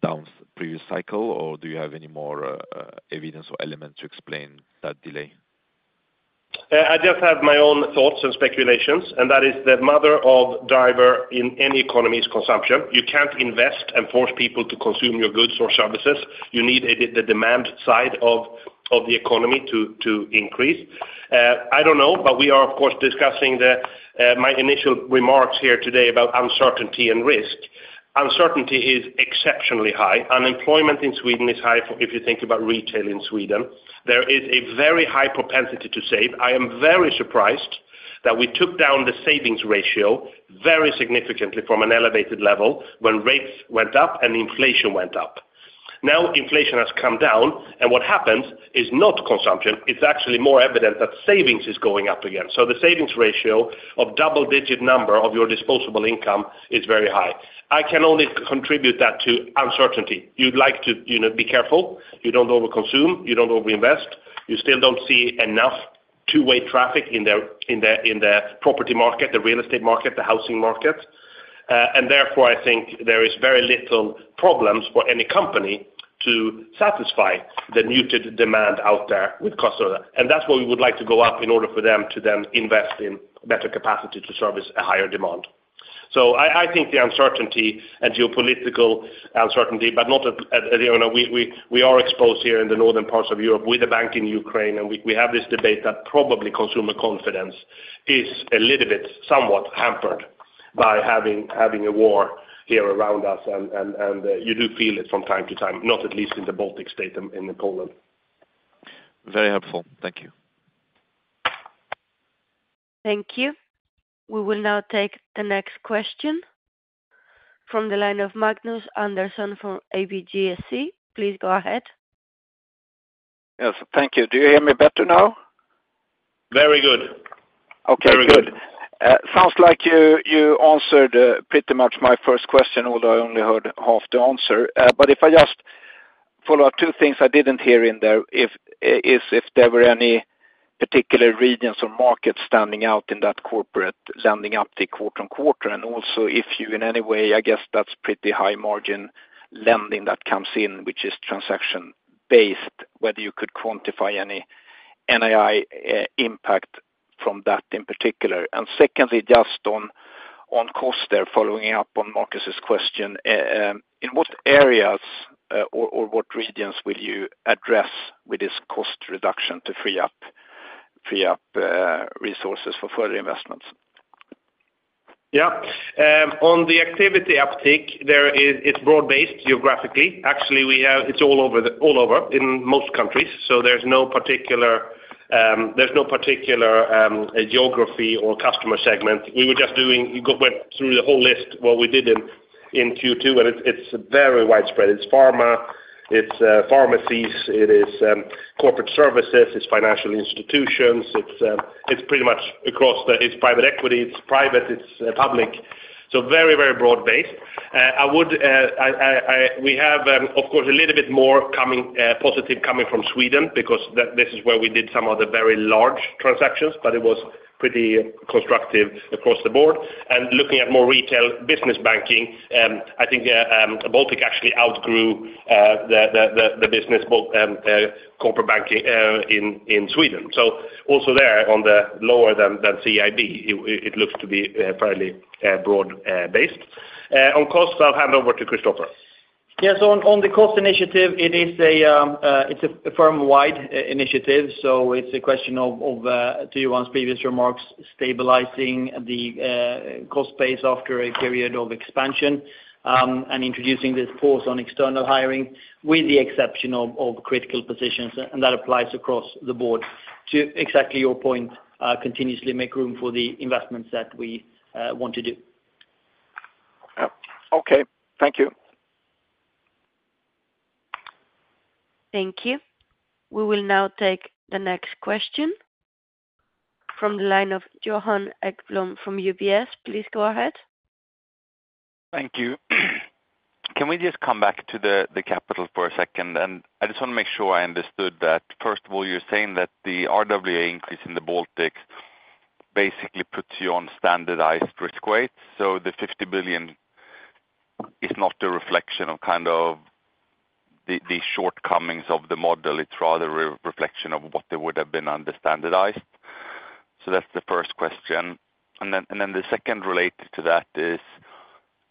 down previous cycle, or do you have any more evidence or element to explain that delay? I just have my own thoughts and speculations, and that is the mother of driver in any economy is consumption. You can't invest and force people to consume your goods or services. You need the demand side of the economy to increase. I don't know, but we are, of course, discussing my initial remarks here today about uncertainty and risk. Uncertainty is exceptionally high. Unemployment in Sweden is high if you think about retail in Sweden. There is a very high propensity to save. I am very surprised that we took down the savings ratio very significantly from an elevated level when rates went up and inflation went up. Now inflation has come down, and what happens is not consumption. It is actually more evident that savings is going up again. So the savings ratio of double-digit number of your disposable income is very high. I can only contribute that to uncertainty. You'd like to be careful. You don't overconsume. You don't overinvest. You still don't see enough two-way traffic in the property market, the real estate market, the housing market. Therefore, I think there is very little problem for any company to satisfy the muted demand out there with costs too. That is what we would like to go up in order for them to then invest in better capacity to service a higher demand. I think the uncertainty and geopolitical uncertainty, but not at the—we are exposed here in the northern parts of Europe with a bank in Ukraine, and we have this debate that probably consumer confidence is a little bit somewhat hampered by having a war here around us. You do feel it from time to time, not at least in the Baltic states and in Poland. Very helpful. Thank you. Thank you. We will now take the next question. From the line of Magnus Andersson from ABGSC. Please go ahead. Yes, thank you. Do you hear me better now? Very good. Okay, good. Sounds like you answered pretty much my first question, although I only heard half the answer. If I just follow up, two things I did not hear in there. If there were any particular regions or markets standing out in that corporate lending uptick quarter-on-quarter, and also if you in any way, I guess that is pretty high-margin lending that comes in, which is transaction-based, whether you could quantify any NII impact from that in particular. Secondly, just on cost there, following up on Markus's question, in what areas or what regions will you address with this cost reduction to free up resources for further investments? Yeah. On the activity uptick, it is broad-based geographically. Actually, it is all over in most countries, so there is no particular geography or customer segment. We were just doing—we went through the whole list of what we did in Q2, and it is very widespread. It's pharma, it's pharmacies, it is corporate services, it's financial institutions. It's pretty much across the, it's private equity, it's private, it's public. Very, very broad-based. We have, of course, a little bit more positive coming from Sweden because this is where we did some of the very large transactions, but it was pretty constructive across the board. Looking at more retail business banking, I think Baltic actually outgrew the business. Corporate banking in Sweden. Also there, on the lower than CIB, it looks to be fairly broad-based. On cost, I'll hand over to Christoffer. Yeah, on the cost initiative, it's a firm-wide initiative. It's a question of, to Johan, previous remarks, stabilizing the cost base after a period of expansion and introducing this pause on external hiring with the exception of critical positions. That applies across the board to, exactly your point, continuously make room for the investments that we want to do. Okay, thank you. Thank you. We will now take the next question. From the line of Johan Ekblom from UBS. Please go ahead. Thank you. Can we just come back to the capital for a second? I just want to make sure I understood that. First of all, you are saying that the RWA increase in the Baltics basically puts you on standardized risk weight. The 50 billion is not a reflection of kind of the shortcomings of the model. It is rather a reflection of what they would have been under standardized. That is the first question. The second related to that is,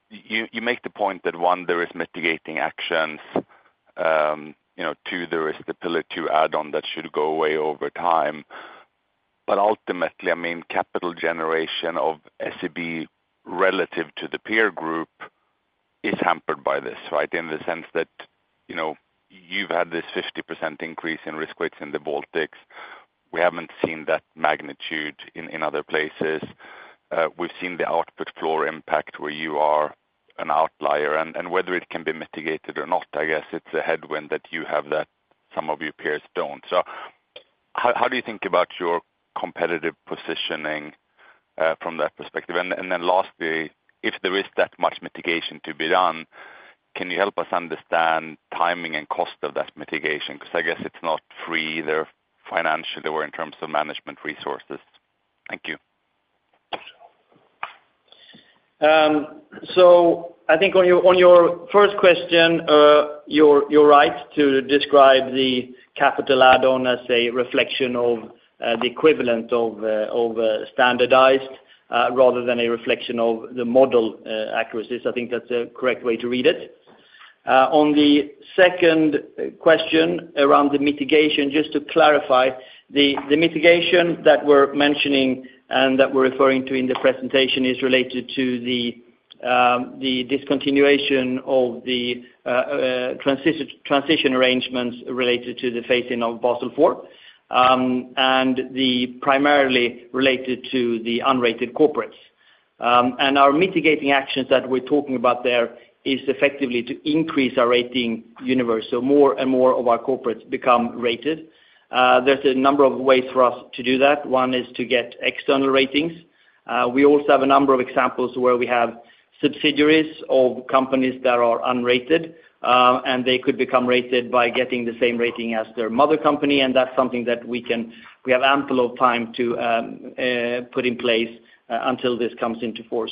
you make the point that, one, there is mitigating actions. Two, there is the pillar two add-on that should go away over time. Ultimately, I mean, capital generation of SEB relative to the peer group is hampered by this, right, in the sense that you've had this 50% increase in risk weights in the Baltics. We haven't seen that magnitude in other places. We've seen the output floor impact where you are an outlier. Whether it can be mitigated or not, I guess it's a headwind that you have that some of your peers don't. How do you think about your competitive positioning from that perspective? Lastly, if there is that much mitigation to be done, can you help us understand timing and cost of that mitigation? Because I guess it's not free either financially or in terms of management resources. Thank you. I think on your first question, you're right to describe the capital add-on as a reflection of the equivalent of standardized rather than a reflection of the model accuracy. I think that's a correct way to read it. On the second question around the mitigation, just to clarify, the mitigation that we're mentioning and that we're referring to in the presentation is related to the discontinuation of the transition arrangements related to the phasing of Basel IV, and primarily related to the unrated corporates. Our mitigating actions that we're talking about there is effectively to increase our rating universe, so more and more of our corporates become rated. There's a number of ways for us to do that. One is to get external ratings. We also have a number of examples where we have subsidiaries of companies that are unrated, and they could become rated by getting the same rating as their mother company. That's something that we have ample time to put in place until this comes into force.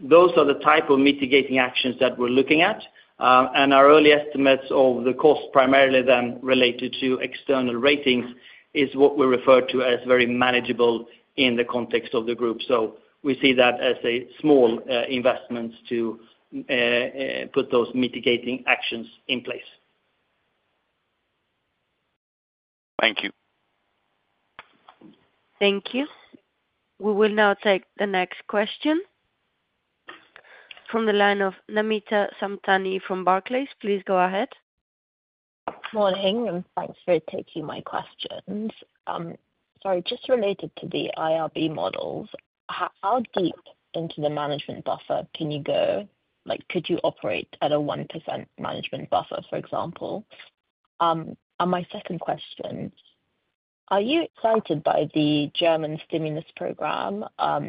Those are the type of mitigating actions that we are looking at. Our early estimates of the cost, primarily then related to external ratings, is what we refer to as very manageable in the context of the group. We see that as small investments to put those mitigating actions in place. Thank you. Thank you. We will now take the next question from the line of Namita Samtani from Barclays. Please go ahead. Good morning. Thanks for taking my questions. Sorry, just related to the IRB models, how deep into the management buffer can you go? Could you operate at a 1% management buffer, for example? My second question, are you excited by the German stimulus program? Are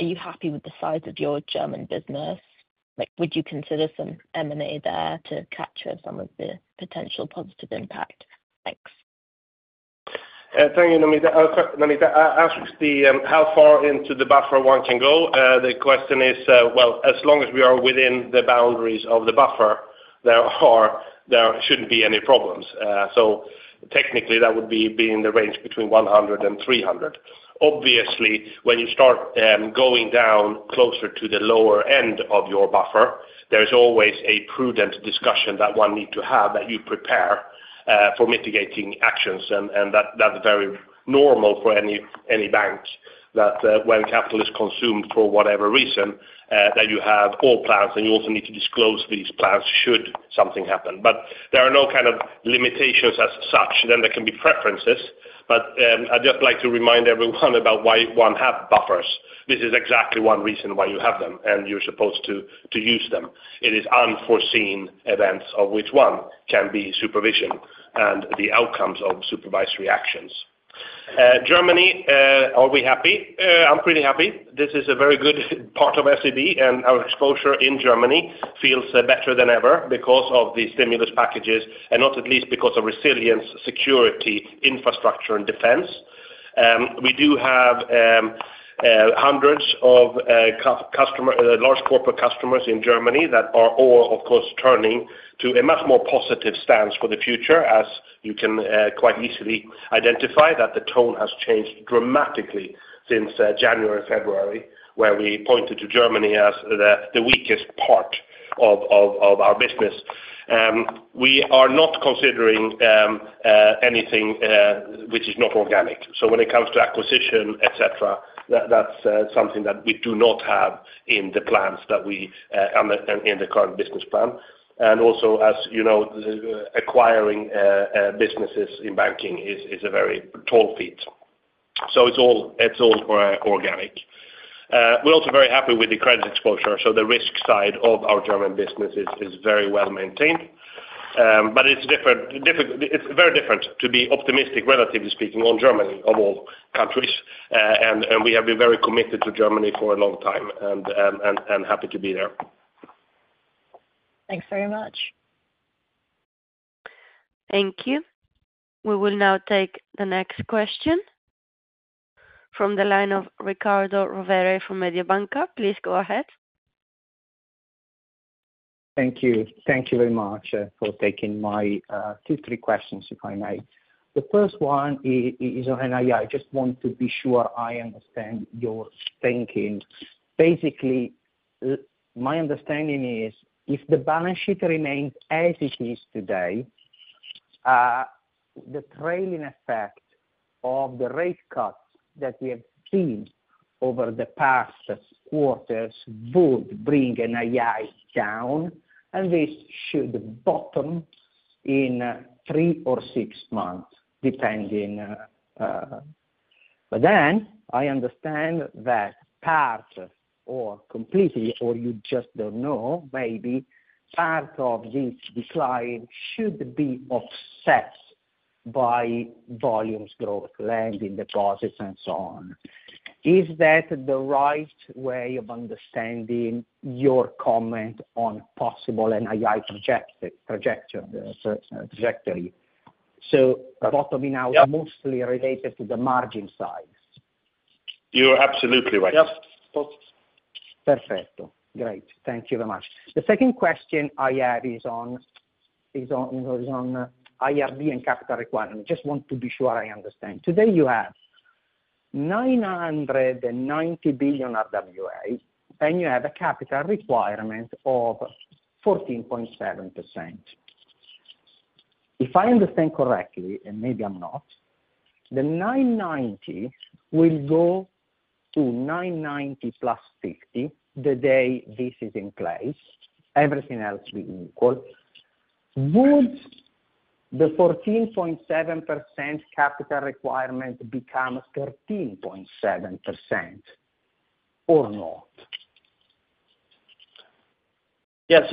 you happy with the size of your German business? Would you consider some M&A there to capture some of the potential positive impact? Thanks. Thank you, Namita. I'll ask how far into the buffer one can go. The question is, as long as we are within the boundaries of the buffer, there shouldn't be any problems. Technically, that would be in the range between 100 and 300. Obviously, when you start going down closer to the lower end of your buffer, there's always a prudent discussion that one needs to have that you prepare for mitigating actions. That's very normal for any bank, that when capital is consumed for whatever reason, you have all plans, and you also need to disclose these plans should something happen. There are no kind of limitations as such. There can be preferences. I'd just like to remind everyone about why one has buffers. This is exactly one reason why you have them, and you're supposed to use them. It is unforeseen events of which one can be supervision and the outcomes of supervised reactions. Germany, are we happy? I'm pretty happy. This is a very good part of SEB, and our exposure in Germany feels better than ever because of the stimulus packages, and not at least because of resilience, security, infrastructure, and defense. We do have hundreds of large corporate customers in Germany that are all, of course, turning to a much more positive stance for the future, as you can quite easily identify that the tone has changed dramatically since January and February, where we pointed to Germany as the weakest part of our business. We are not considering anything which is not organic. When it comes to acquisition, etc., that's something that we do not have in the plans in the current business plan. Also, as you know, acquiring businesses in banking is a very tall feat. It is all organic. We're also very happy with the credit exposure, so the risk side of our German business is very well maintained. It is very different to be optimistic, relatively speaking, on Germany of all countries. We have been very committed to Germany for a long time and happy to be there. Thanks very much. Thank you. We will now take the next question from the line of Riccardo Rovere from Mediobanca. Please go ahead. Thank you. Thank you very much for taking my two or three questions, if I may. The first one is on NII. I just want to be sure I understand your thinking. Basically, my understanding is if the balance sheet remains as it is today, the trailing effect of the rate cuts that we have seen over the past quarters would bring NII down, and this should bottom in three or six months, depending. I understand that part or completely, or you just do not know, maybe part of this decline should be offset by volumes growth, lending, deposits, and so on. Is that the right way of understanding your comment on possible NII trajectory? Bottoming out mostly related to the margin size. You are absolutely right. Yep. Perfect. Great. Thank you very much. The second question I have is on IRB and capital requirements. I just want to be sure I understand. Today, you have 990 billion RWA, and you have a capital requirement of 14.7%. If I understand correctly, and maybe I am not. The 990 billion will go to 990 billion + 50 billion the day this is in place. Everything else will be equal. Would the 14.7% capital requirement become 13.7%? Or not? Yeah.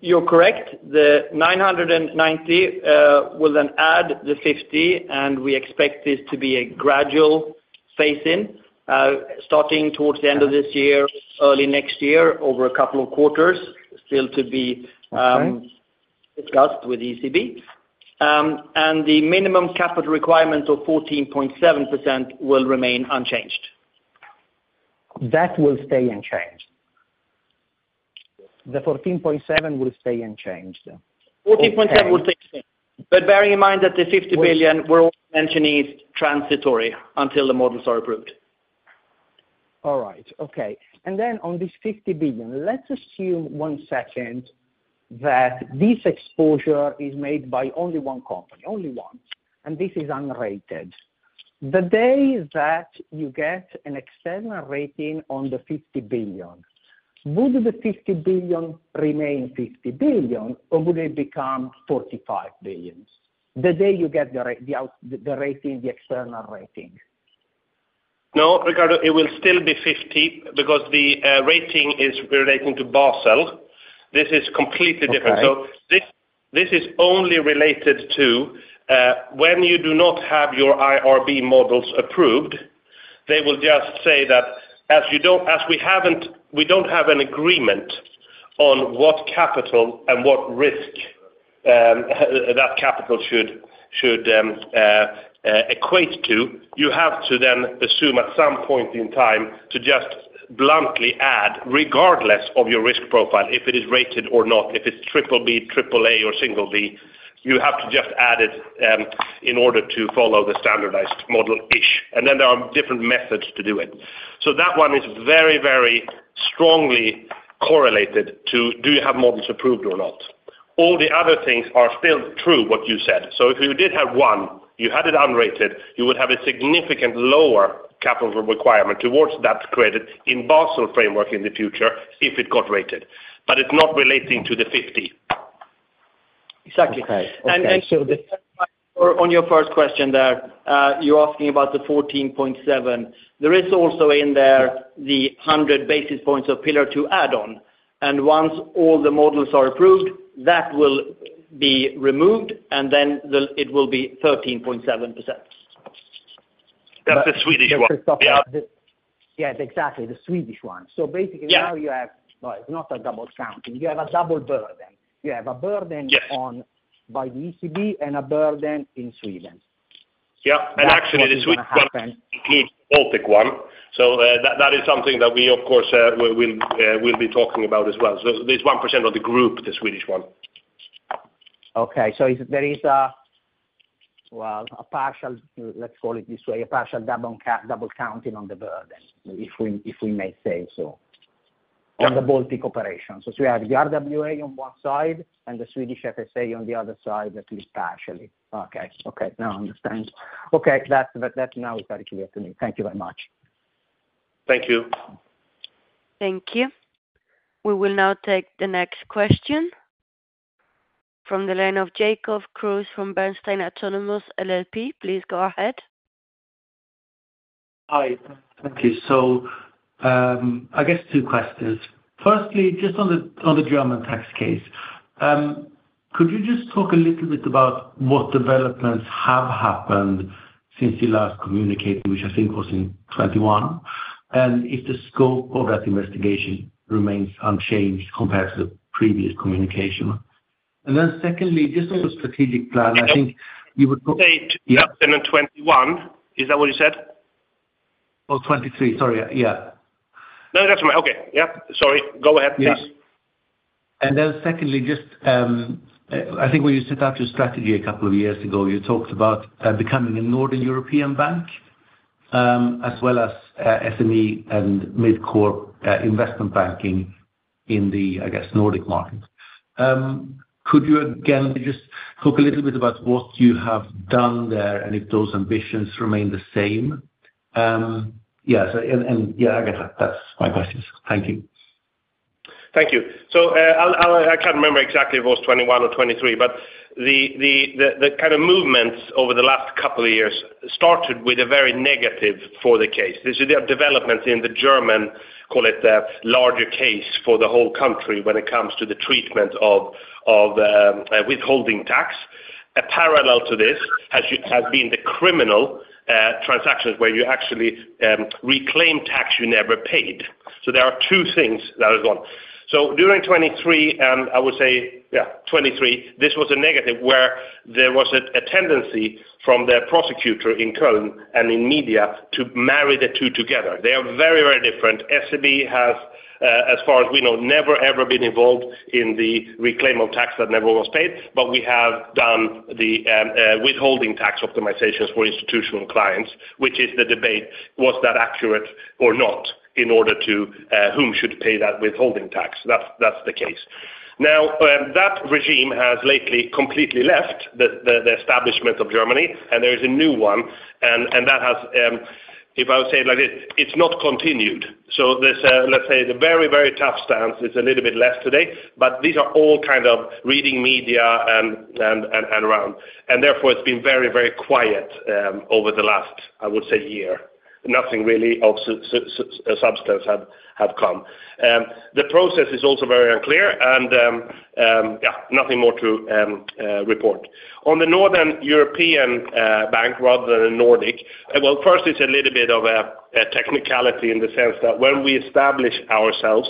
You're correct. The 990 billion will then add the 50 billion, and we expect this to be a gradual phasing, starting towards the end of this year, early next year, over a couple of quarters, still to be discussed with ECB. The minimum capital requirement of 14.7% will remain unchanged. That will stay unchanged. The 14.7% will stay unchanged. 14.7% will stay unchanged. Bearing in mind that the 50 billion we're also mentioning is transitory until the models are approved. All right. Okay. On this 50 billion, let's assume one second that this exposure is made by only one company, only one, and this is unrated. The day that you get an external rating on the 50 billion, would the 50 billion remain 50 billion, or would it become 45 billion? The day you get the rating and the external rating. No, Ricardo, it will still be 50 billion because the rating is relating to Basel. This is completely different. This is only related to when you do not have your IRB models approved, they will just say that as we do not have an agreement on what capital and what risk that capital should equate to, you have to then assume at some point in time to just bluntly add, regardless of your risk profile, if it is rated or not, if it is triple B, triple A, or single B, you have to just add it in order to follow the standardized model-ish. There are different methods to do it. That one is very, very strongly correlated to do you have models approved or not. All the other things are still true, what you said. If you did have one, you had it unrated, you would have a significantly lower capital requirement towards that credit in Basel framework in the future if it got rated. It is not relating to the 50 billion. Exactly. On your first question there, you are asking about the 14.7%. There is also in there the 100 basis points of pillar two add-on. Once all the models are approved, that will be removed, and then it will be 13.7%. That is the Swedish one. Yeah. Exactly. The Swedish one. Basically, now you have—it is not a double count. You have a double burden. You have a burden by the ECB and a burden in Sweden. Yeah. Actually, the Swedish one includes the Baltic one. That is something that we, of course, will be talking about as well. There is 1% of the group, the Swedish one. Okay. There is, let's call it this way, a partial double counting on the burden, if we may say so, on the Baltic operations. We have the RWA on one side and the Swedish FSA on the other side, at least partially. Okay. Now I understand. That now is very clear to me. Thank you very much. Thank you. Thank you. We will now take the next question from the line of Jacob Kruse from Bernstein Autonomous LLP. Please go ahead. Hi. Thank you. I guess two questions. Firstly, just on the German tax case. Could you just talk a little bit about what developments have happened since you last communicated, which I think was in 2021, and if the scope of that investigation remains unchanged compared to the previous communication? Secondly, just on the strategic plan, I think you would talk— Say 2021. Is that what you said? Oh, 2023. Sorry. Yeah. No, that's fine. Okay. Yep. Sorry. Go ahead, please. Secondly, just, I think when you set out your strategy a couple of years ago, you talked about becoming a Northern European bank, as well as SME and mid-core investment banking in the, I guess, Nordic market. Could you again just talk a little bit about what you have done there and if those ambitions remain the same? Yeah. I guess that's my questions. Thank you. Thank you. I can't remember exactly if it was 2021 or 2023, but the kind of movements over the last couple of years started with a very negative for the case. This is a development in the German, call it that, larger case for the whole country when it comes to the treatment of withholding tax. A parallel to this has been the criminal transactions where you actually reclaim tax you never paid. So there are two things. That is one. During 2023, I would say, yeah, 2023, this was a negative where there was a tendency from the prosecutor in Köln and in media to marry the two together. They are very, very different. SEB has, as far as we know, never, ever been involved in the reclaim of tax that never was paid, but we have done the withholding tax optimizations for institutional clients, which is the debate: was that accurate or not in order to whom should pay that withholding tax? That is the case. Now, that regime has lately completely left the establishment of Germany, and there is a new one. That has, if I would say it like this, not continued. Let's say the very, very tough stance is a little bit less today, but these are all kind of reading media and around. Therefore, it has been very, very quiet over the last, I would say, year. Nothing really of substance has come. The process is also very unclear, and, yeah, nothing more to report. On the Northern European bank rather than the Nordic, first, it's a little bit of a technicality in the sense that when we establish ourselves.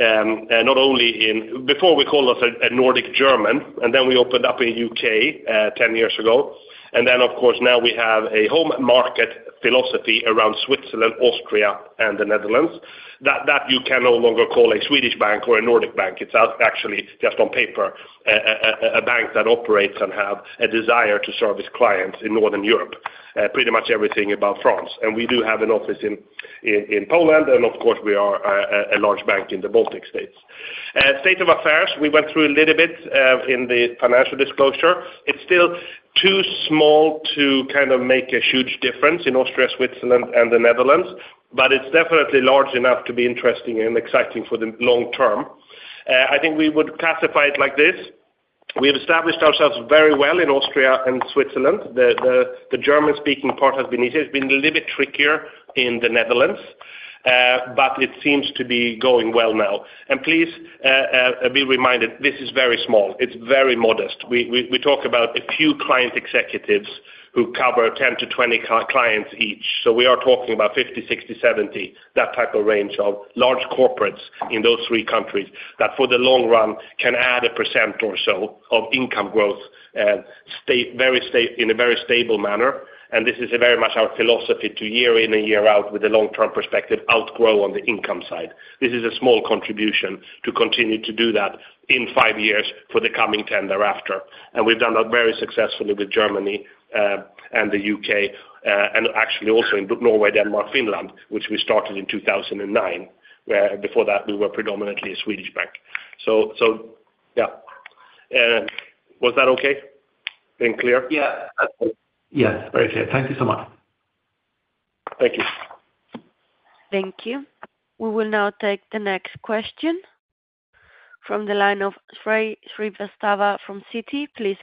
Not only in—before we called ourselves a Nordic German, and then we opened up in the U.K. 10 years ago, and then, of course, now we have a home market philosophy around Switzerland, Austria, and the Netherlands, that you can no longer call a Swedish bank or a Nordic bank. It's actually just on paper. A bank that operates and has a desire to service clients in Northern Europe, pretty much everything about France. And we do have an office in Poland, and of course, we are a large bank in the Baltic states. State of affairs, we went through a little bit in the financial disclosure. It's still too small to kind of make a huge difference in Austria, Switzerland, and the Netherlands, but it's definitely large enough to be interesting and exciting for the long term. I think we would classify it like this. We have established ourselves very well in Austria and Switzerland. The German-speaking part has been easier. It's been a little bit trickier in the Netherlands. It seems to be going well now. Please be reminded, this is very small. It's very modest. We talk about a few client executives who cover 10 to 20 clients each. We are talking about 50-60-70, that type of range of large corporates in those three countries that for the long run can add a percent or so of income growth in a very stable manner. This is very much our philosophy to year in and year out, with a long-term perspective, outgrow on the income side. This is a small contribution to continue to do that in five years for the coming 10 thereafter. We have done that very successfully with Germany and the U.K., and actually also in Norway, Denmark, Finland, which we started in 2009, where before that, we were predominantly a Swedish bank. Yeah. Was that okay? Been clear? Yeah. Yes. Very clear. Thank you so much. Thank you. Thank you. We will now take the next question. From the line of Shrey Srivastava from Citi. Please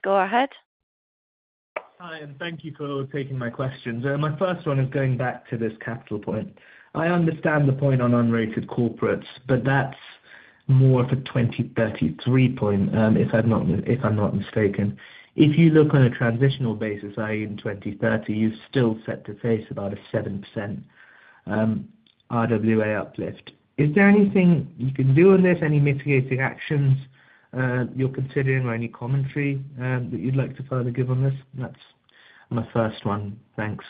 go ahead. Hi. Thank you for taking my questions. My first one is going back to this capital point. I understand the point on unrated corporates, but that is more of a 2033 point, if I am not mistaken. If you look on a transitional basis, i.e., in 2030, you've still set to face about a 7% RWA uplift. Is there anything you can do on this? Any mitigating actions you're considering, or any commentary that you'd like to further give on this? That's my first one. Thanks.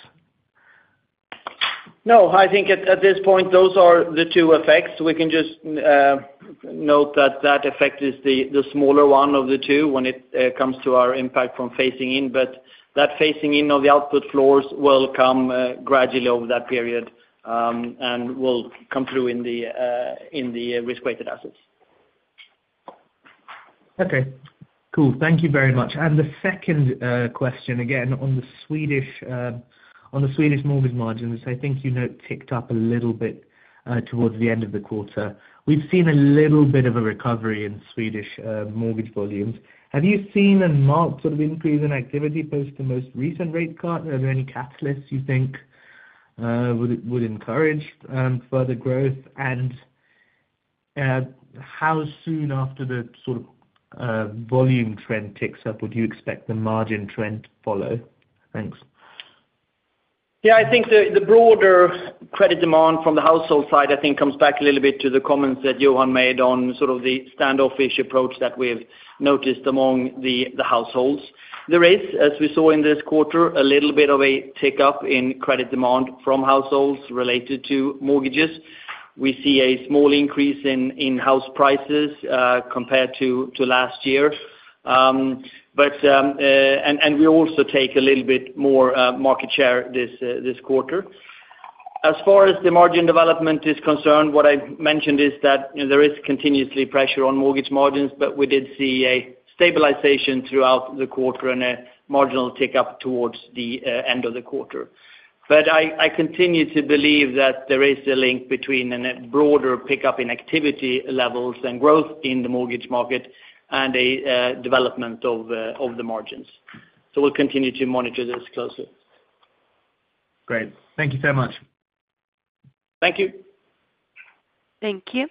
No. I think at this point, those are the two effects. We can just note that that effect is the smaller one of the two when it comes to our impact from phasing in. That phasing in of the output floors will come gradually over that period and will come through in the risk-weighted assets. Okay. Cool. Thank you very much. The second question, again, on the Swedish mortgage margins, I think you ticked up a little bit towards the end of the quarter. We've seen a little bit of a recovery in Swedish mortgage volumes. Have you seen a marked sort of increase in activity post the most recent rate cut? Are there any catalysts you think would encourage further growth? How soon after the sort of volume trend ticks up would you expect the margin trend to follow? Thanks. Yeah. I think the broader credit demand from the household side, I think, comes back a little bit to the comments that Johan made on sort of the standoffish approach that we've noticed among the households. There is, as we saw in this quarter, a little bit of a tick up in credit demand from households related to mortgages. We see a small increase in house prices compared to last year. We also take a little bit more market share this quarter. As far as the margin development is concerned, what I mentioned is that there is continuously pressure on mortgage margins, but we did see a stabilization throughout the quarter and a marginal tick up towards the end of the quarter. I continue to believe that there is a link between a broader pickup in activity levels and growth in the mortgage market and a development of the margins. We will continue to monitor this closely. Great. Thank you so much. Thank you. Thank you.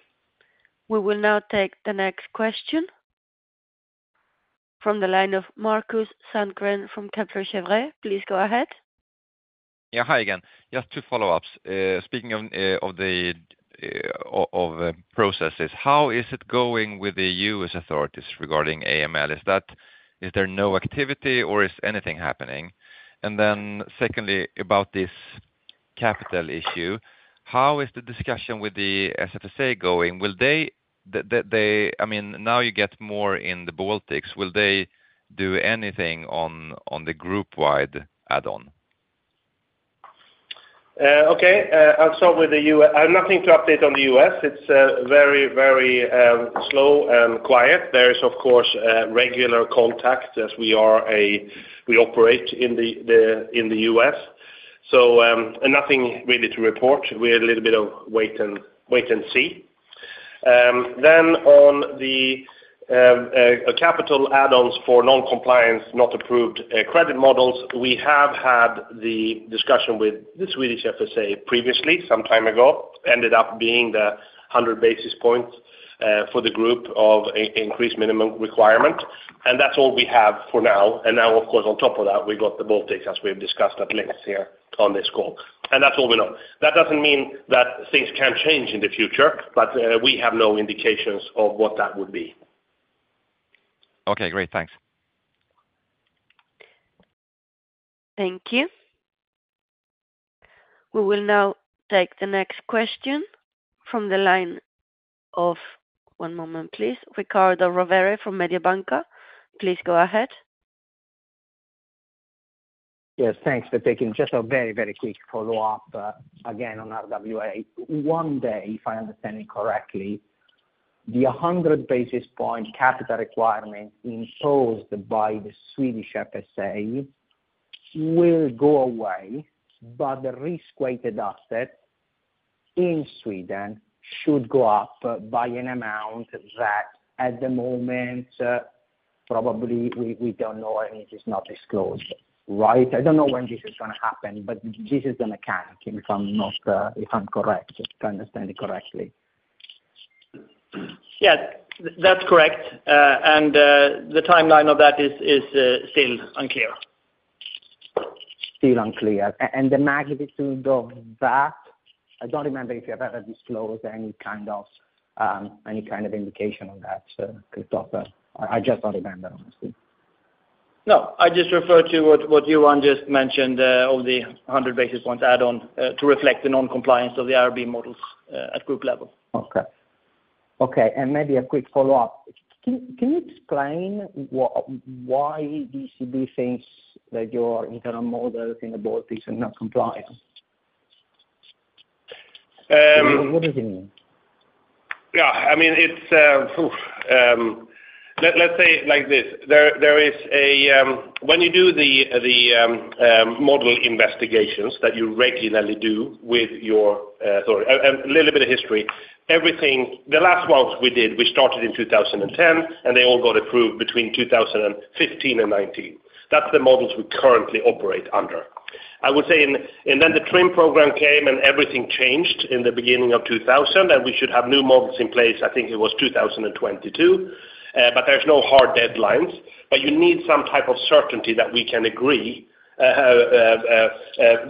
We will now take the next question. From the line of Markus Sandgren from Kepler Cheuvreux. Please go ahead. Yeah. Hi again. Just two follow-ups. Speaking of the processes, how is it going with the U.S. authorities regarding AML? Is there no activity, or is anything happening? And then secondly, about this capital issue, how is the discussion with the SFSA going? I mean, now you get more in the Baltics. Will they do anything on the group-wide add-on? Okay. I'll start with the U.S. Nothing to update on the U.S. It's very, very slow and quiet. There is, of course, regular contact as we operate in the U.S. Nothing really to report. We had a little bit of wait and see. On the capital add-ons for non-compliance, not approved credit models, we have had the discussion with the Swedish FSA previously, some time ago. Ended up being the 100 basis points for the group of increased minimum requirement. That's all we have for now. Now, of course, on top of that, we got the Baltics, as we've discussed at length here on this call. That's all we know. That does not mean that things can change in the future, but we have no indications of what that would be. Okay. Great. Thanks. Thank you. We will now take the next question from the line of—one moment, please—Riccardo Rovere from Mediobanca. Please go ahead. Yes. Thanks for taking just a very, very quick follow-up again on RWA. One day, if I understand it correctly. The 100 basis point capital requirement imposed by the Swedish FSA will go away, but the risk-weighted asset in Sweden should go up by an amount that, at the moment, probably we do not know and it is not disclosed, right? I do not know when this is going to happen, but this is the mechanic if I am correct, if I understand it correctly. Yeah. That is correct. And the timeline of that is still unclear. Still unclear. The magnitude of that, I do not remember if you ever disclosed any kind of indication on that, Christoffer. I just do not remember, honestly. No. I just referred to what Johan just mentioned of the 100 basis points add-on to reflect the non-compliance of the IRB models at group level. Okay. Okay. Maybe a quick follow-up. Can you explain why DCB thinks that your internal models in the Baltics are not compliant? What does it mean? Yeah. I mean, let us say it like this. When you do the model investigations that you regularly do with your—sorry. A little bit of history. The last ones we did, we started in 2010, and they all got approved between 2015 and 2019. That is the models we currently operate under. I would say, and then the TRIM program came and everything changed in the beginning of 2000, and we should have new models in place. I think it was 2022. There are no hard deadlines. You need some type of certainty that we can agree.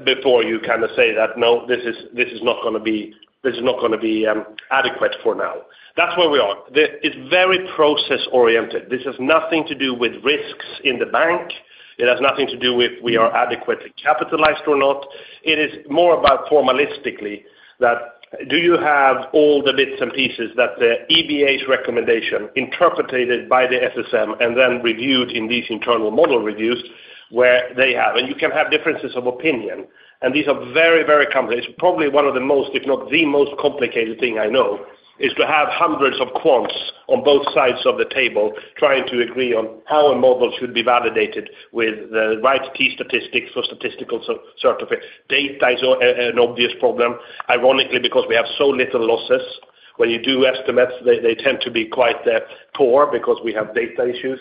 Before you kind of say that, "No, this is not going to be, this is not going to be adequate for now." That is where we are. It is very process-oriented. This has nothing to do with risks in the bank. It has nothing to do with whether we are adequately capitalized or not. It is more about, formalistically, "Do you have all the bits and pieces that the EBA's recommendation interpreted by the SSM and then reviewed in these internal model reviews where they have?" You can have differences of opinion. These are very, very complicated. It's probably one of the most, if not the most, complicated things I know, is to have hundreds of quants on both sides of the table trying to agree on how a model should be validated with the right key statistics for statistical certificates. Data is an obvious problem, ironically, because we have so little losses. When you do estimates, they tend to be quite poor because we have data issues.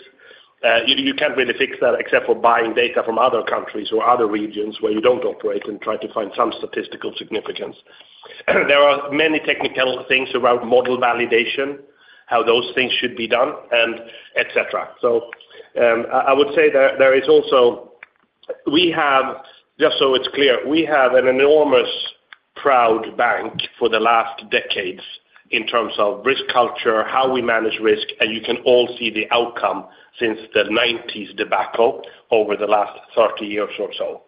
You can't really fix that except for buying data from other countries or other regions where you don't operate and try to find some statistical significance. There are many technical things around model validation, how those things should be done, etc. I would say there is also— We have, just so it's clear, we have an enormous proud bank for the last decades in terms of risk culture, how we manage risk, and you can all see the outcome since the 1990s debacle over the last 30 years or so.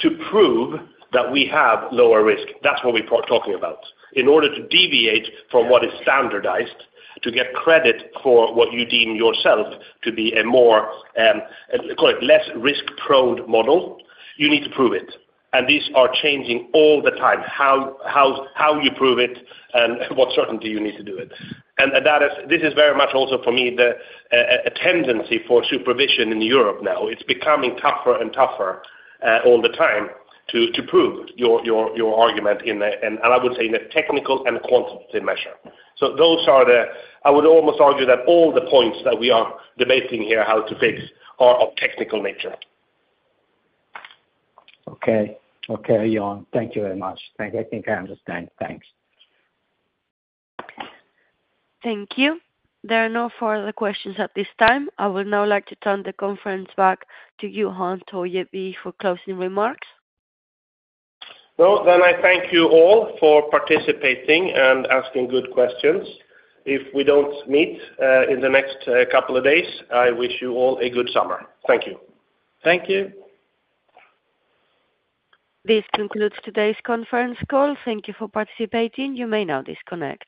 To prove that we have lower risk, that's what we're talking about. In order to deviate from what is standardized, to get credit for what you deem yourself to be a more— Call it less risk-prone model, you need to prove it. These are changing all the time, how you prove it and what certainty you need to do it. This is very much also, for me, the tendency for supervision in Europe now. It's becoming tougher and tougher all the time to prove your argument, and I would say in a technical and quantitative measure. Those are the—I would almost argue that all the points that we are debating here, how to fix, are of technical nature. Okay. Okay, Johan. Thank you very much. I think I understand. Thanks. Thank you. There are no further questions at this time. I would now like to turn the conference back to Johan Torgeby for closing remarks. I thank you all for participating and asking good questions. If we do not meet in the next couple of days, I wish you all a good summer. Thank you. Thank you. This concludes today's conference call. Thank you for participating. You may now disconnect.